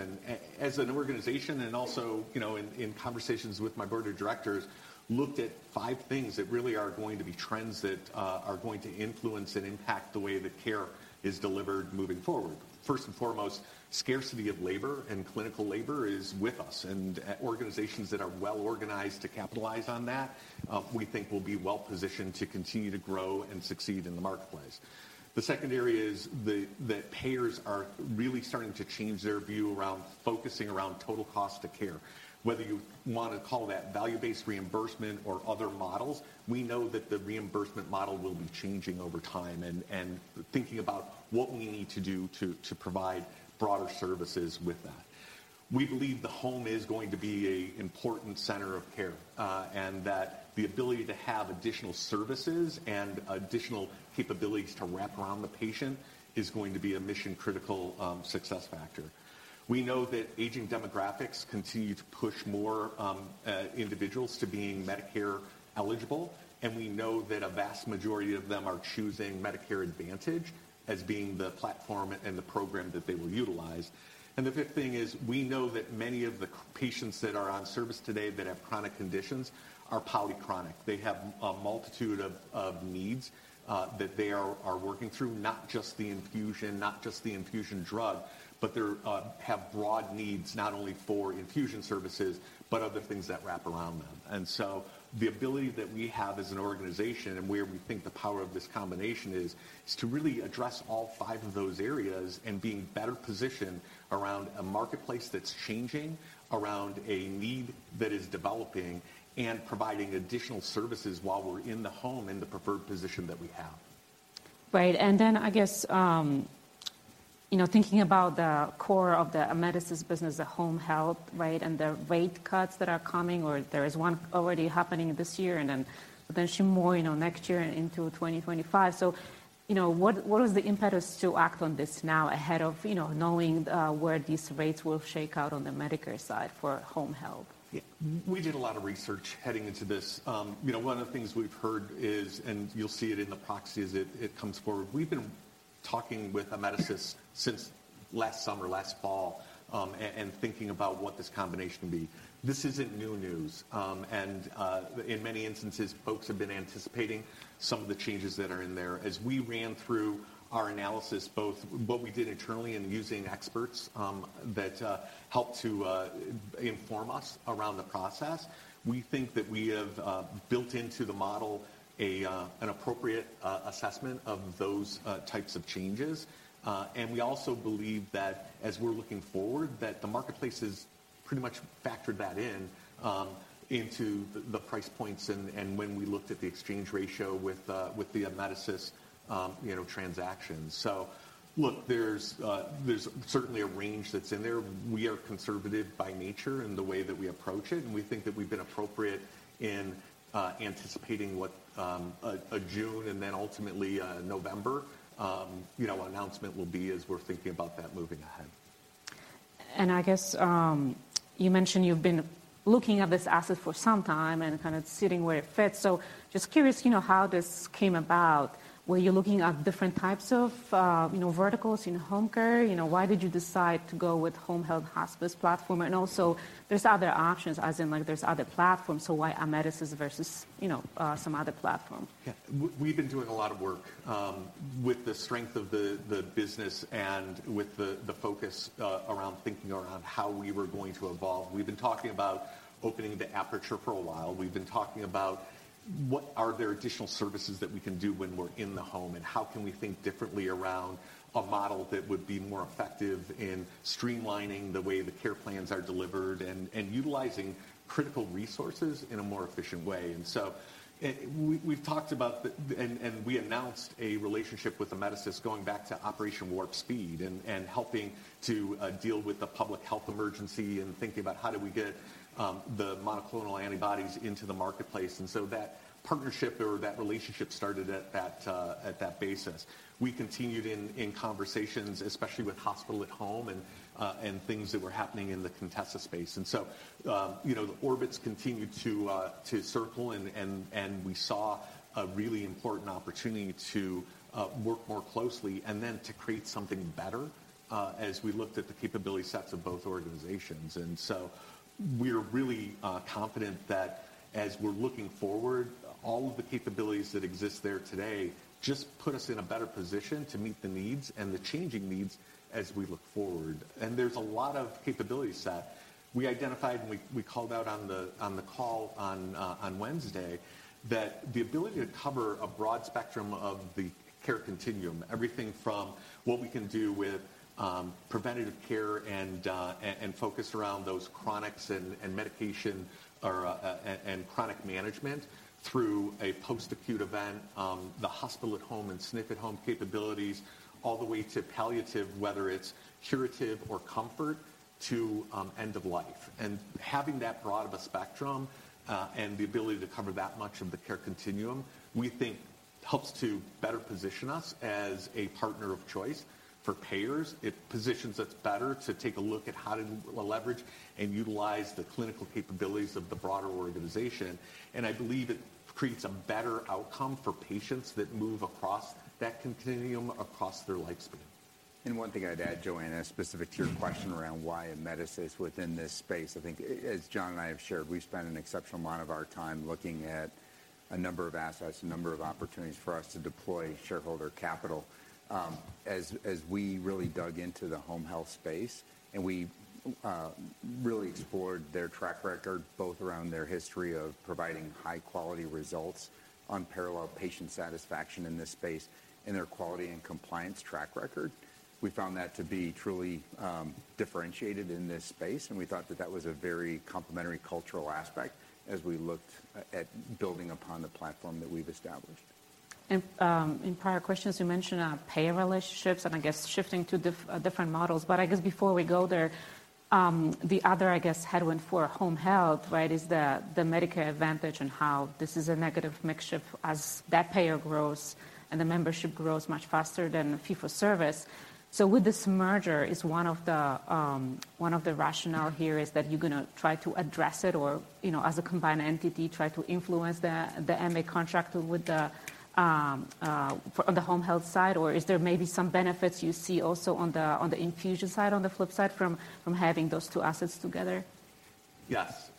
As an organization and also, you know, in conversations with my board of directors, looked at five things that really are going to be trends that are going to influence and impact the way that care is delivered moving forward. First and foremost, scarcity of labor and clinical labor is with us. Organizations that are well-organized to capitalize on that, we think will be well-positioned to continue to grow and succeed in the marketplace. The second area is that payers are really starting to change their view around focusing around total cost of care. Whether you wanna call that value-based reimbursement or other models, we know that the reimbursement model will be changing over time and thinking about what we need to do to provide broader services with that. We believe the home is going to be a important center of care, and that the ability to have additional services and additional capabilities to wrap around the patient is going to be a mission-critical success factor. We know that aging demographics continue to push more individuals to being Medicare eligible. We know that a vast majority of them are choosing Medicare Advantage as being the platform and the program that they will utilize. The fifth thing is, we know that many of the patients that are on service today that have chronic conditions are polychronic. They have a multitude of needs that they are working through, not just the infusion drug, but they have broad needs, not only for infusion services, but other things that wrap around them. The ability that we have as an organization and where we think the power of this combination is to really address all five of those areas and being better positioned around a marketplace that's changing, around a need that is developing, and providing additional services while we're in the home in the preferred position that we have.
Right. I guess, you know, thinking about the core of the Amedisys business, the home health, right? The rate cuts that are coming or there is one already happening this year and then potentially more, you know, next year and into 2025. What is the impetus to act on this now ahead of, you know, knowing where these rates will shake out on the Medicare side for home health?
Yeah. We did a lot of research heading into this. You know, one of the things we've heard is, and you'll see it in the proxies as it comes forward, we've been talking with Amedisys since last summer, last fall, and thinking about what this combination will be. This isn't new news. In many instances, folks have been anticipating some of the changes that are in there. As we ran through our analysis, both what we did internally and using experts, that helped to inform us around the process, we think that we have built into the model an appropriate assessment of those types of changes. We also believe that as we're looking forward, that the marketplace has pretty much factored that in, into the price points and when we looked at the exchange ratio with the Amedisys, you know, transaction. Look, there's certainly a range that's in there. We are conservative by nature in the way that we approach it, and we think that we've been appropriate in, anticipating what, a June and then ultimately a November, you know, announcement will be as we're thinking about that moving ahead.
I guess, you mentioned you've been looking at this asset for some time and kind of sitting where it fits. Just curious, you know, how this came about. Were you looking at different types of, you know, verticals in home care? You know, why did you decide to go with home health hospice platform? Also there's other options as in, like, there's other platforms. Why Amedisys versus, you know, some other platform?
Yeah. We've been doing a lot of work with the strength of the business and with the focus around thinking around how we were going to evolve. We've been talking about opening the aperture for a while. We've been talking about what are there additional services that we can do when we're in the home, and how can we think differently around a model that would be more effective in streamlining the way the care plans are delivered and utilizing critical resources in a more efficient way. We announced a relationship with Amedisys going back to Operation Warp Speed and helping to deal with the public health emergency and thinking about how do we get the monoclonal antibodies into the marketplace. That partnership or that relationship started at that, at that basis. We continued in conversations, especially with hospital at home and things that were happening in the Contessa space. You know, the orbits continued to circle and we saw a really important opportunity to work more closely and then to create something better, as we looked at the capability sets of both organizations. We're really confident that as we're looking forward, all of the capabilities that exist there today just put us in a better position to meet the needs and the changing needs as we look forward. There's a lot of capability set. We identified and we called out on the call on Wednesday that the ability to cover a broad spectrum of the care continuum, everything from what we can do with preventative care and focus around those chronics and medication or chronic management through a post-acute event, the hospital at home and SNF at Home capabilities, all the way to palliative, whether it's curative or comfort, to end of life. Having that broad of a spectrum and the ability to cover that much of the care continuum, we think it helps to better position us as a partner of choice for payers. It positions us better to take a look at how to leverage and utilize the clinical capabilities of the broader organization. I believe it creates a better outcome for patients that move across that continuum across their lifespan.
One thing I'd add, Joanna, specific to your question around why Amedisys within this space, I think as John and I have shared, we've spent an exceptional amount of our time looking at a number of assets, a number of opportunities for us to deploy shareholder capital. As we really dug into the home health space, and we really explored their track record, both around their history of providing high quality results, unparalleled patient satisfaction in this space, and their quality and compliance track record. We found that to be truly, differentiated in this space, and we thought that that was a very complimentary cultural aspect as we looked at building upon the platform that we've established.
In prior questions, you mentioned payer relationships and I guess shifting to different models. I guess before we go there, the other, I guess, headwind for home health, right, is the Medicare Advantage and how this is a negative mix shift as that payer grows and the membership grows much faster than the fee-for-service. With this merger, is one of the, one of the rationale here is that you're gonna try to address it or, you know, as a combined entity, try to influence the MA contract with the on the home health side? Is there maybe some benefits you see also on the infusion side, on the flip side from having those two assets together?
Yes.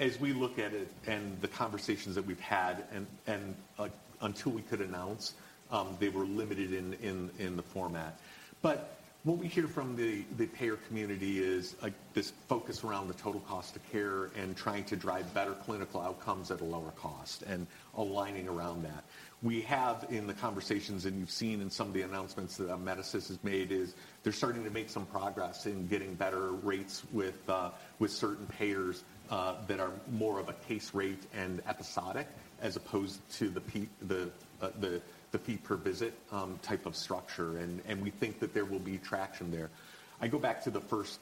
As we look at it and the conversations that we've had and, until we could announce, they were limited in the format. What we hear from the payer community is this focus around the total cost of care and trying to drive better clinical outcomes at a lower cost and aligning around that. We have in the conversations, and you've seen in some of the announcements that Amedisys has made, is they're starting to make some progress in getting better rates with certain payers that are more of a case rate and episodic as opposed to the fee per visit type of structure. We think that there will be traction there. I go back to the first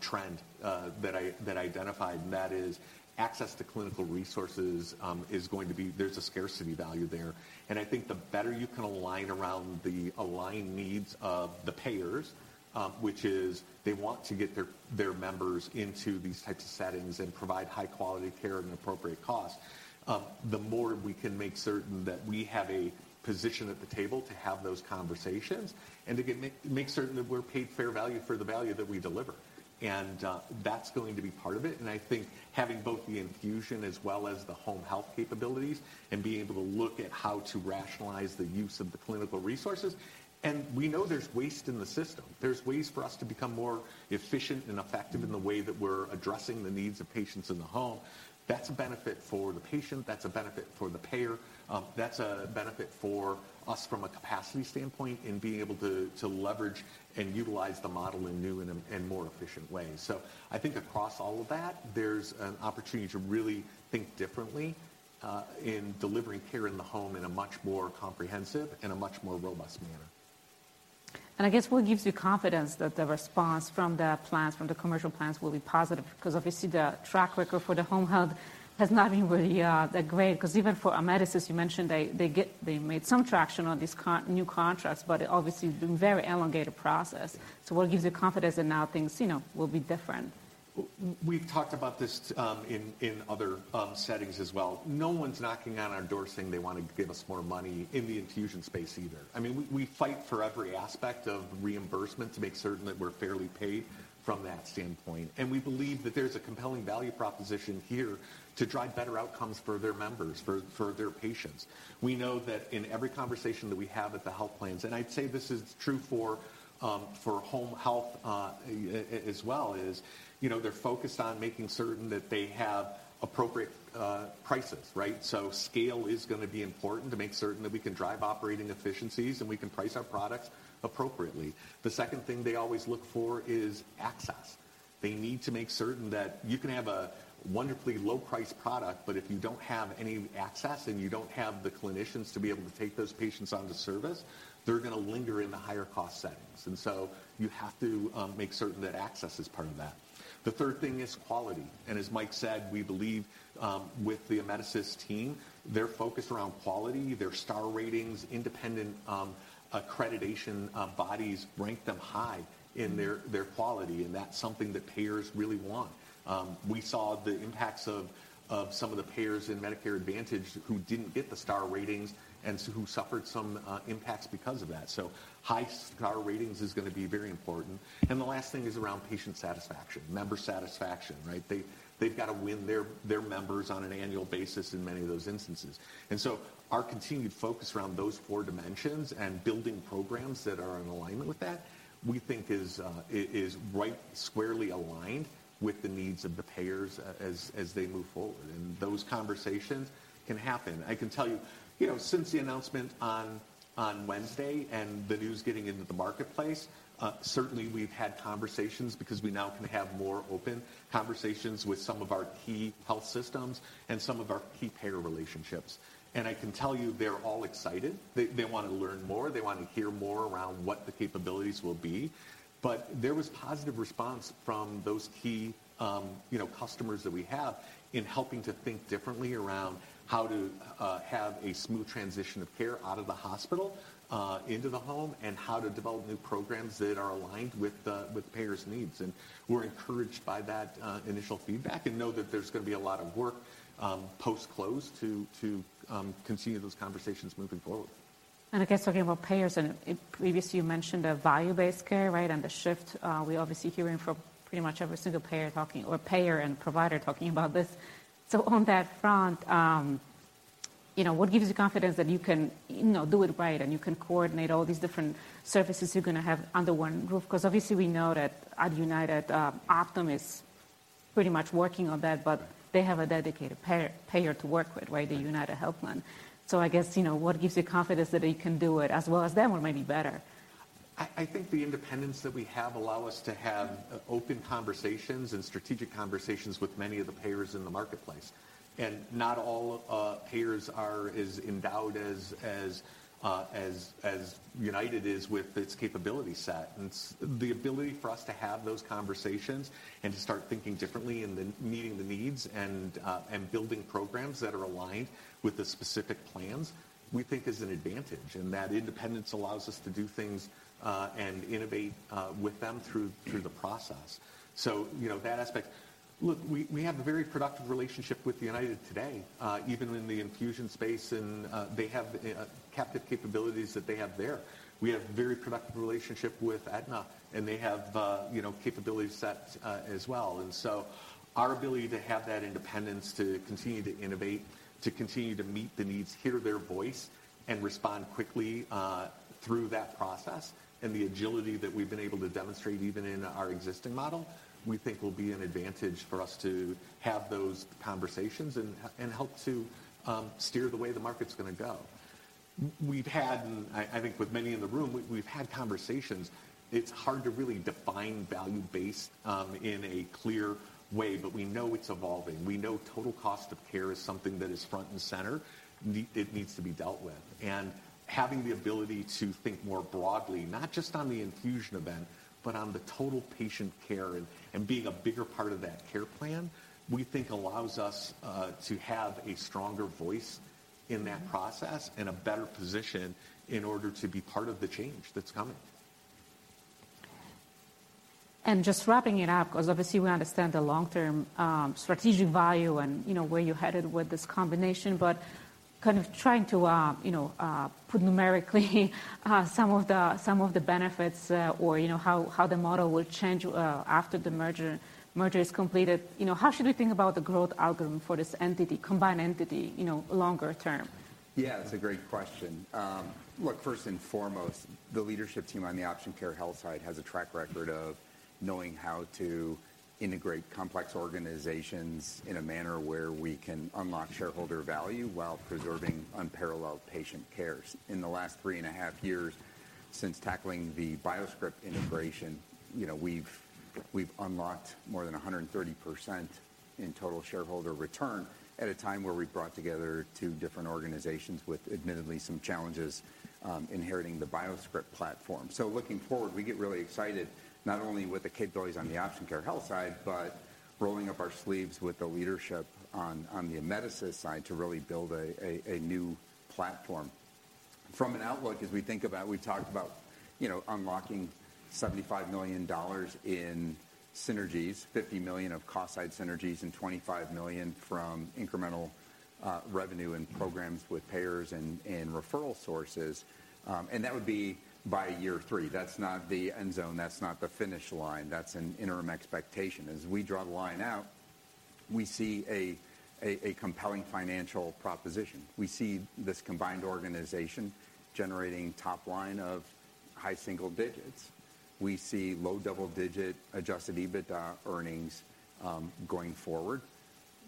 trend that I, that I identified, that is access to clinical resources, there's a scarcity value there. I think the better you can align around the aligned needs of the payers, which is they want to get their members into these types of settings and provide high quality care at an appropriate cost, the more we can make certain that we have a position at the table to have those conversations and to make certain that we're paid fair value for the value that we deliver. That's going to be part of it, and I think having both the infusion as well as the home health capabilities and being able to look at how to rationalize the use of the clinical resources. We know there's waste in the system. There's ways for us to become more efficient and effective in the way that we're addressing the needs of patients in the home. That's a benefit for the patient, that's a benefit for the payer, that's a benefit for us from a capacity standpoint in being able to leverage and utilize the model in new and more efficient ways. I think across all of that, there's an opportunity to really think differently, in delivering care in the home in a much more comprehensive and a much more robust manner.
I guess what gives you confidence that the response from the plans, from the commercial plans will be positive? Obviously the track record for the home health has not been really that great, because even for Amedisys, you mentioned they made some traction on these new contracts, but it obviously has been very elongated process. What gives you confidence that now things, you know, will be different?
We've talked about this in other settings as well. No one's knocking on our door saying they wanna give us more money in the infusion space either. I mean, we fight for every aspect of reimbursement to make certain that we're fairly paid from that standpoint. We believe that there's a compelling value proposition here to drive better outcomes for their members, for their patients. We know that in every conversation that we have at the health plans, and I'd say this is true for home health as well, is, you know, they're focused on making certain that they have appropriate prices, right? Scale is gonna be important to make certain that we can drive operating efficiencies and we can price our products appropriately. The second thing they always look for is access. They need to make certain that you can have a wonderfully low price product, but if you don't have any access and you don't have the clinicians to be able to take those patients on to service, they're gonna linger in the higher cost settings. You have to make certain that access is part of that. The third thing is quality. As Mike said, we believe with the Amedisys team, they're focused around quality, their star ratings, independent accreditation bodies rank them high in their quality, and that's something that payers really want. We saw the impacts of some of the payers in Medicare Advantage who didn't get the star ratings who suffered some impacts because of that. High star ratings is gonna be very important. The last thing is around patient satisfaction, member satisfaction, right? They've got to win their members on an annual basis in many of those instances. Our continued focus around those four dimensions and building programs that are in alignment with that, we think is right squarely aligned with the needs of the payers as they move forward. Those conversations can happen. I can tell you know, since the announcement on Wednesday and the news getting into the marketplace, certainly we've had conversations because we now can have more open conversations with some of our key health systems and some of our key payer relationships. I can tell you, they're all excited. They wanna learn more. They want to hear more around what the capabilities will be. There was positive response from those key, you know, customers that we have in helping to think differently around how to have a smooth transition of care out of the hospital, into the home and how to develop new programs that are aligned with the, with the payer's needs. We're encouraged by that initial feedback and know that there's gonna be a lot of work post-close to continue those conversations moving forward.
I guess talking about payers and previously you mentioned a value-based care, right? The shift, we obviously hearing from pretty much every single payer talking or payer and provider talking about this. On that front, you know, what gives you confidence that you can, you know, do it right and you can coordinate all these different services you're gonna have under one roof? 'Cause obviously we know that at United, Optum is pretty much working on that, but they have a dedicated payer to work with, right? The UnitedHealth plan. I guess, you know, what gives you confidence that you can do it as well as them or maybe better?
I think the independence that we have allow us to have open conversations and strategic conversations with many of the payers in the marketplace. Not all payers are as endowed as United is with its capability set. The ability for us to have those conversations and to start thinking differently and then meeting the needs and building programs that are aligned with the specific plans, we think is an advantage. That independence allows us to do things and innovate with them through the process. You know, that aspect. Look, we have a very productive relationship with United today, even in the infusion space and they have captive capabilities that they have there. We have very productive relationship with Aetna, and they have, you know, capability sets as well. Our ability to have that independence to continue to innovate, to continue to meet the needs, hear their voice, and respond quickly through that process and the agility that we've been able to demonstrate even in our existing model, we think will be an advantage for us to have those conversations and help to steer the way the market's gonna go. We've had, and I think with many in the room, we've had conversations, it's hard to really define value-based in a clear way, but we know it's evolving. We know total cost of care is something that is front and center, it needs to be dealt with. Having the ability to think more broadly, not just on the infusion event, but on the total patient care and being a bigger part of that care plan, we think allows us to have a stronger voice in that process and a better position in order to be part of the change that's coming.
Just wrapping it up, because obviously we understand the long-term strategic value and, you know, where you're headed with this combination, but kind of trying to, you know, put numerically some of the, some of the benefits, or, you know, how the model will change after the merger is completed. You know, how should we think about the growth algorithm for this entity, combined entity, you know, longer term?
Yeah, that's a great question. Look, first and foremost, the leadership team on the Option Care Health side has a track record of knowing how to integrate complex organizations in a manner where we can unlock shareholder value while preserving unparalleled patient cares. In the last three and a half years since tackling the BioScrip integration, you know, we've unlocked more than 130% in total shareholder return at a time where we brought together two different organizations with admittedly some challenges, inheriting the BioScrip platform. Looking forward, we get really excited not only with the capabilities on the Option Care Health side, but rolling up our sleeves with the leadership on the Amedisys side to really build a new platform. From an outlook, as we think about, we talked about, you know, unlocking $75 million in synergies, $50 million of cost side synergies, and $25 million from incremental revenue and programs with payers and referral sources. That would be by year three. That's not the end zone, that's not the finish line. That's an interim expectation. As we draw the line out, we see a compelling financial proposition. We see this combined organization generating top line of high single digits. We see low double-digit adjusted EBITDA earnings going forward,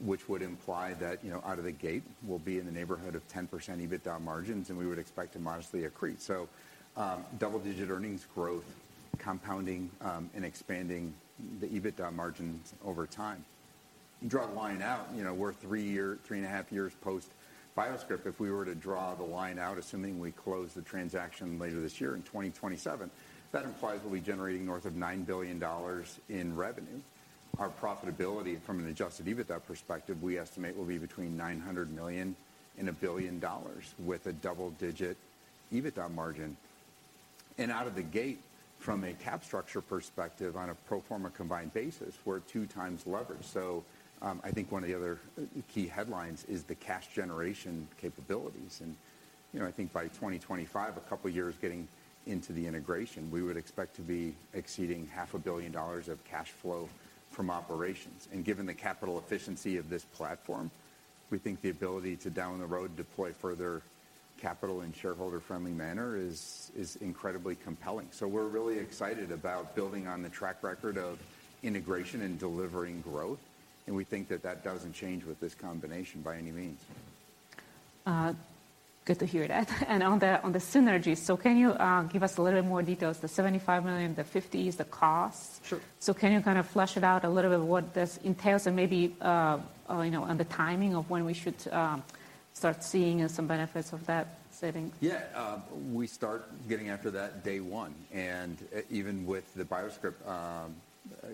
which would imply that, you know, out of the gate, we'll be in the neighborhood of 10% EBITDA margins, and we would expect to modestly accrete. Double-digit earnings growth compounding and expanding the EBITDA margins over time. You draw the line out, you know, we're three and a half years post-BioScrip. If we were to draw the line out, assuming we close the transaction later this year in 2027, that implies we'll be generating north of $9 billion in revenue. Our profitability from an adjusted EBITDA perspective, we estimate will be between $900 million and $1 billion with a double-digit EBITDA margin. Out of the gate, from a cap structure perspective on a pro forma combined basis, we're 2x leverage. I think one of the other key headlines is the cash generation capabilities. You know, I think by 2025, a couple of years getting into the integration, we would expect to be exceeding half a billion dollars of cash flow from operations. Given the capital efficiency of this platform, we think the ability to down the road deploy further capital in shareholder-friendly manner is incredibly compelling. We're really excited about building on the track record of integration and delivering growth, and we think that that doesn't change with this combination by any means.
Good to hear that. On the synergies, can you give us a little more details? The $75 million, the 50s, the costs?
Sure.
Can you kind of flesh it out a little bit what this entails and maybe, you know, on the timing of when we should start seeing some benefits of that saving?
We start getting after that day one. Even with the BioScrip,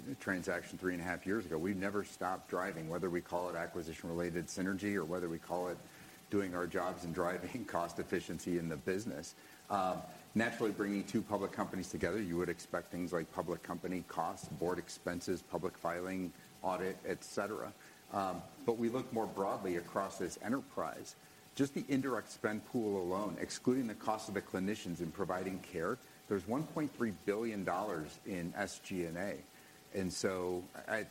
the transaction three and a half years ago, we've never stopped driving, whether we call it acquisition-related synergy or whether we call it doing our jobs and driving cost efficiency in the business. Naturally bringing two public companies together, you would expect things like public company costs, board expenses, public filing, audit, et cetera. We look more broadly across this enterprise. Just the indirect spend pool alone, excluding the cost of the clinicians in providing care, there's $1.3 billion in SG&A.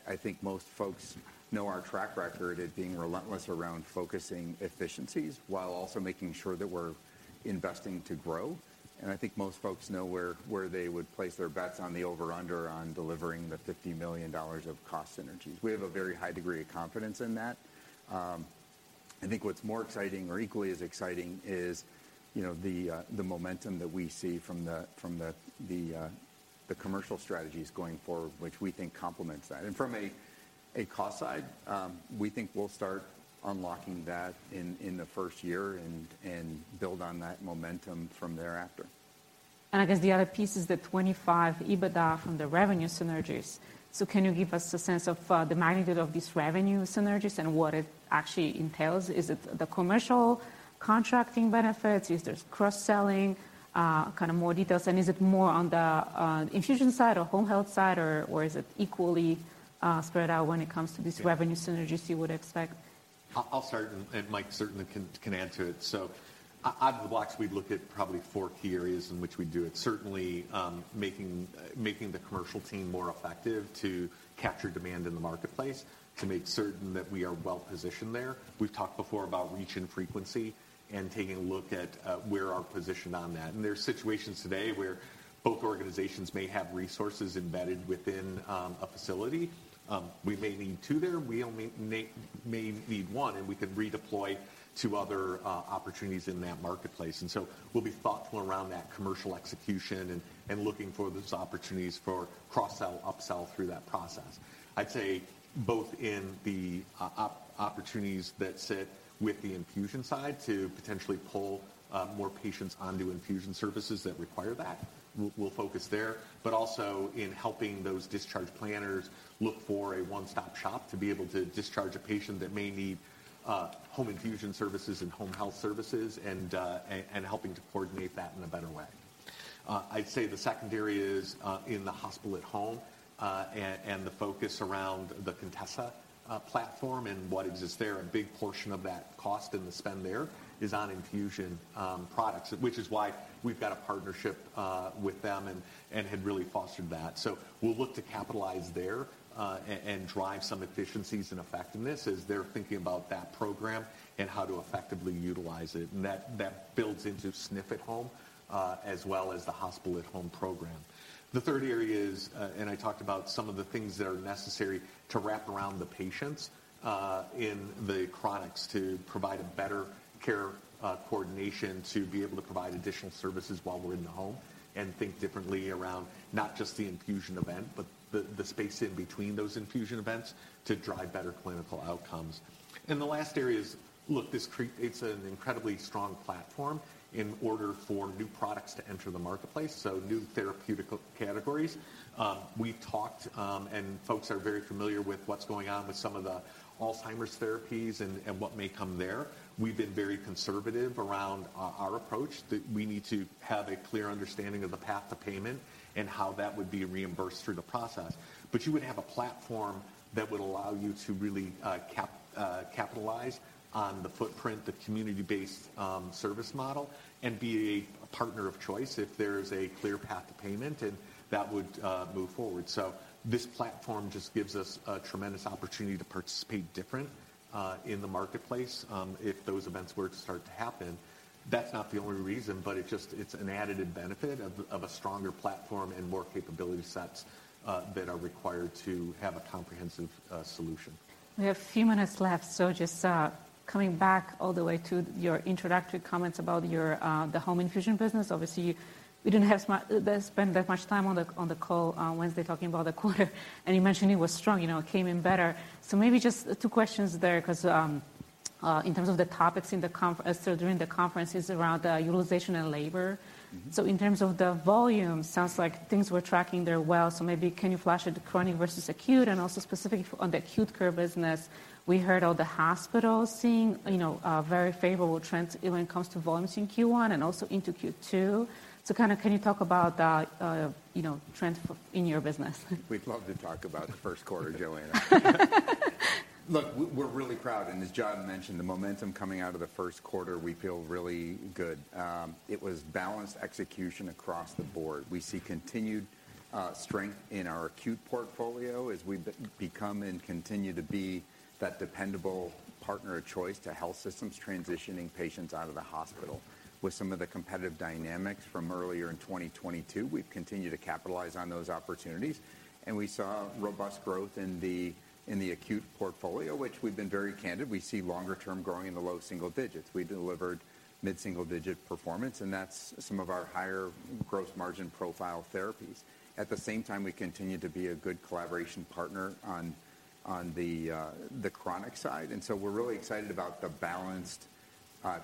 I think most folks know our track record at being relentless around focusing efficiencies while also making sure that we're investing to grow. I think most folks know where they would place their bets on the over-under on delivering the $50 million of cost synergies. We have a very high degree of confidence in that. I think what's more exciting or equally as exciting is, you know, the momentum that we see from the commercial strategies going forward, which we think complements that. From a cost side, we think we'll start unlocking that in the first year and build on that momentum from thereafter.
I guess the other piece is the 2025 EBITDA from the revenue synergies. Can you give us a sense of the magnitude of these revenue synergies and what it actually entails? Is it the commercial contracting benefits? Is this cross-selling? Kind of more details? Is it more on the infusion side or home health side, or is it equally spread out when it comes to these revenue synergies you would expect?
I'll start and Mike certainly can add to it. Out of the blocks, we'd look at probably four key areas in which we do it. Certainly, making the commercial team more effective to capture demand in the marketplace, to make certain that we are well-positioned there. We've talked before about reach and frequency and taking a look at where our position on that. There are situations today where both organizations may have resources embedded within a facility. We may need two there. We may need one, and we could redeploy to other opportunities in that marketplace. We'll be thoughtful around that commercial execution and looking for those opportunities for cross-sell, upsell through that process. I'd say both in the opportunities that sit with the infusion side to potentially pull more patients onto infusion services that require that. We'll focus there, but also in helping those discharge planners look for a one-stop shop to be able to discharge a patient that may need home infusion services and home health services and helping to coordinate that in a better way. I'd say the secondary is in the hospital at home and the focus around the Contessa platform and what exists there. A big portion of that cost and the spend there is on infusion products, which is why we've got a partnership with them and had really fostered that. We'll look to capitalize there, and drive some efficiencies and effectiveness as they're thinking about that program and how to effectively utilize it. That, that builds into SNF at Home, as well as the hospital at home program. The third area is, and I talked about some of the things that are necessary to wrap around the patients, in the chronics to provide a better care coordination to be able to provide additional services while we're in the home and think differently around not just the infusion event, but the space in between those infusion events to drive better clinical outcomes. The last area is. Look, this creates an incredibly strong platform in order for new products to enter the marketplace, so new therapeutical categories. We've talked, and folks are very familiar with what's going on with some of the Alzheimer's therapies and what may come there. We've been very conservative around our approach that we need to have a clear understanding of the path to payment and how that would be reimbursed through the process. You would have a platform that would allow you to really capitalize on the footprint, the community-based service model, and be a partner of choice if there's a clear path to payment, and that would move forward. This platform just gives us a tremendous opportunity to participate different in the marketplace, if those events were to start to happen. That's not the only reason, but it's an additive benefit of a stronger platform and more capability sets that are required to have a comprehensive solution.
We have a few minutes left. Just coming back all the way to your introductory comments about your the home infusion business. Obviously, we didn't spend that much time on the call on Wednesday talking about the quarter, and you mentioned it was strong. You know, it came in better. Maybe just two questions there, 'cause in terms of the topics in the conferences around the utilization and labor. In terms of the volume, sounds like things were tracking there well. Maybe can you flash it chronic versus acute? Also specifically on the acute care business, we heard all the hospitals seeing, you know, very favorable trends even when it comes to volumes in Q1 and also into Q2. Kind of can you talk about the, you know, trends in your business?
We'd love to talk about the first quarter, Joanna. We're really proud, as John mentioned, the momentum coming out of the first quarter, we feel really good. It was balanced execution across the board. We see continued strength in our acute portfolio as we've become and continue to be that dependable partner of choice to health systems transitioning patients out of the hospital. With some of the competitive dynamics from earlier in 2022, we've continued to capitalize on those opportunities, we saw robust growth in the acute portfolio, which we've been very candid. We see longer term growing in the low single digits. We delivered mid-single digit performance, that's some of our higher growth margin profile therapies. At the same time, we continue to be a good collaboration partner on the chronic side. We're really excited about the balanced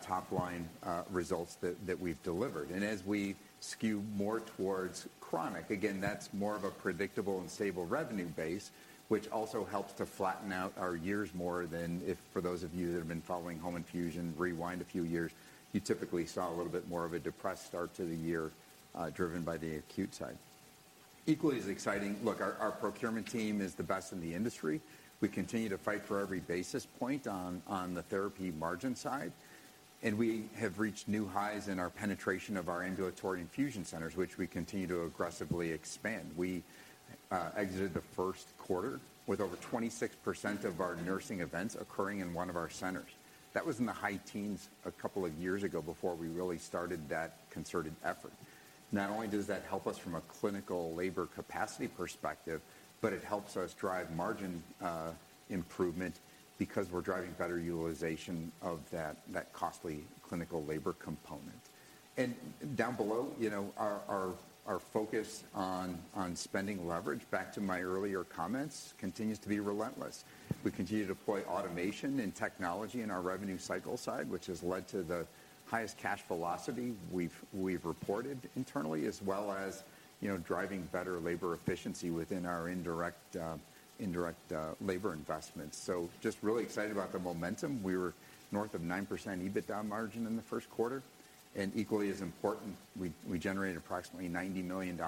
top line results that we've delivered. As we skew more towards chronic, again, that's more of a predictable and stable revenue base, which also helps to flatten out our years more than if, for those of you that have been following home infusion, rewind a few years, you typically saw a little bit more of a depressed start to the year, driven by the acute side. Equally as exciting. Look, our procurement team is the best in the industry. We continue to fight for every basis point on the therapy margin side. We have reached new highs in our penetration of our ambulatory infusion centers, which we continue to aggressively expand. We exited the first quarter with over 26% of our nursing events occurring in one of our centers. That was in the high teens a couple of years ago before we really started that concerted effort. Not only does that help us from a clinical labor capacity perspective, but it helps us drive margin improvement because we're driving better utilization of that costly clinical labor component. Down below, you know, our focus on spending leverage, back to my earlier comments, continues to be relentless. We continue to deploy automation and technology in our revenue cycle side, which has led to the highest cash velocity we've reported internally as well as, you know, driving better labor efficiency within our indirect labor investments. Just really excited about the momentum. We were north of 9% EBITDA margin in the first quarter. Equally as important, we generated approximately $90 million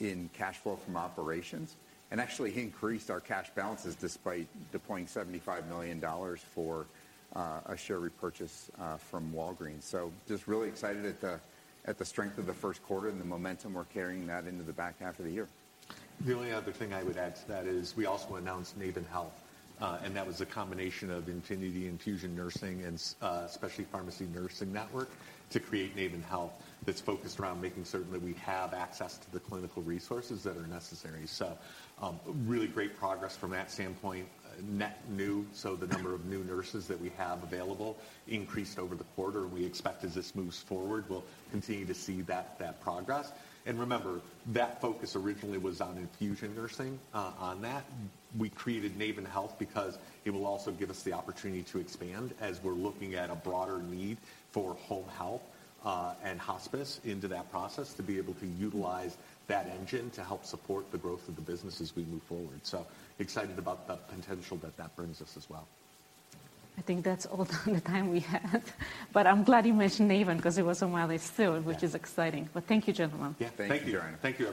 in cash flow from operations and actually increased our cash balances despite deploying $75 million for a share repurchase from Walgreens. Just really excited at the strength of the first quarter and the momentum we're carrying that into the back half of the year.
The only other thing I would add to that is we also announced Naven Health, and that was a combination of Infinity Infusion Nursing and Specialty Pharmacy Nursing Network to create Naven Health that's focused around making certain that we have access to the clinical resources that are necessary. Really great progress from that standpoint. Net new, so the number of new nurses that we have available increased over the quarter. We expect as this moves forward, we'll continue to see that progress. Remember, that focus originally was on infusion nursing on that. We created Naven Health because it will also give us the opportunity to expand as we're looking at a broader need for home health, and hospice into that process to be able to utilize that engine to help support the growth of the business as we move forward. Excited about the potential that that brings us as well.
I think that's all the time we have, but I'm glad you mentioned Naven because it was on my list too which is exciting. Thank you, gentlemen.
Yeah. Thank you.
Thank you, Joanna. Thank you.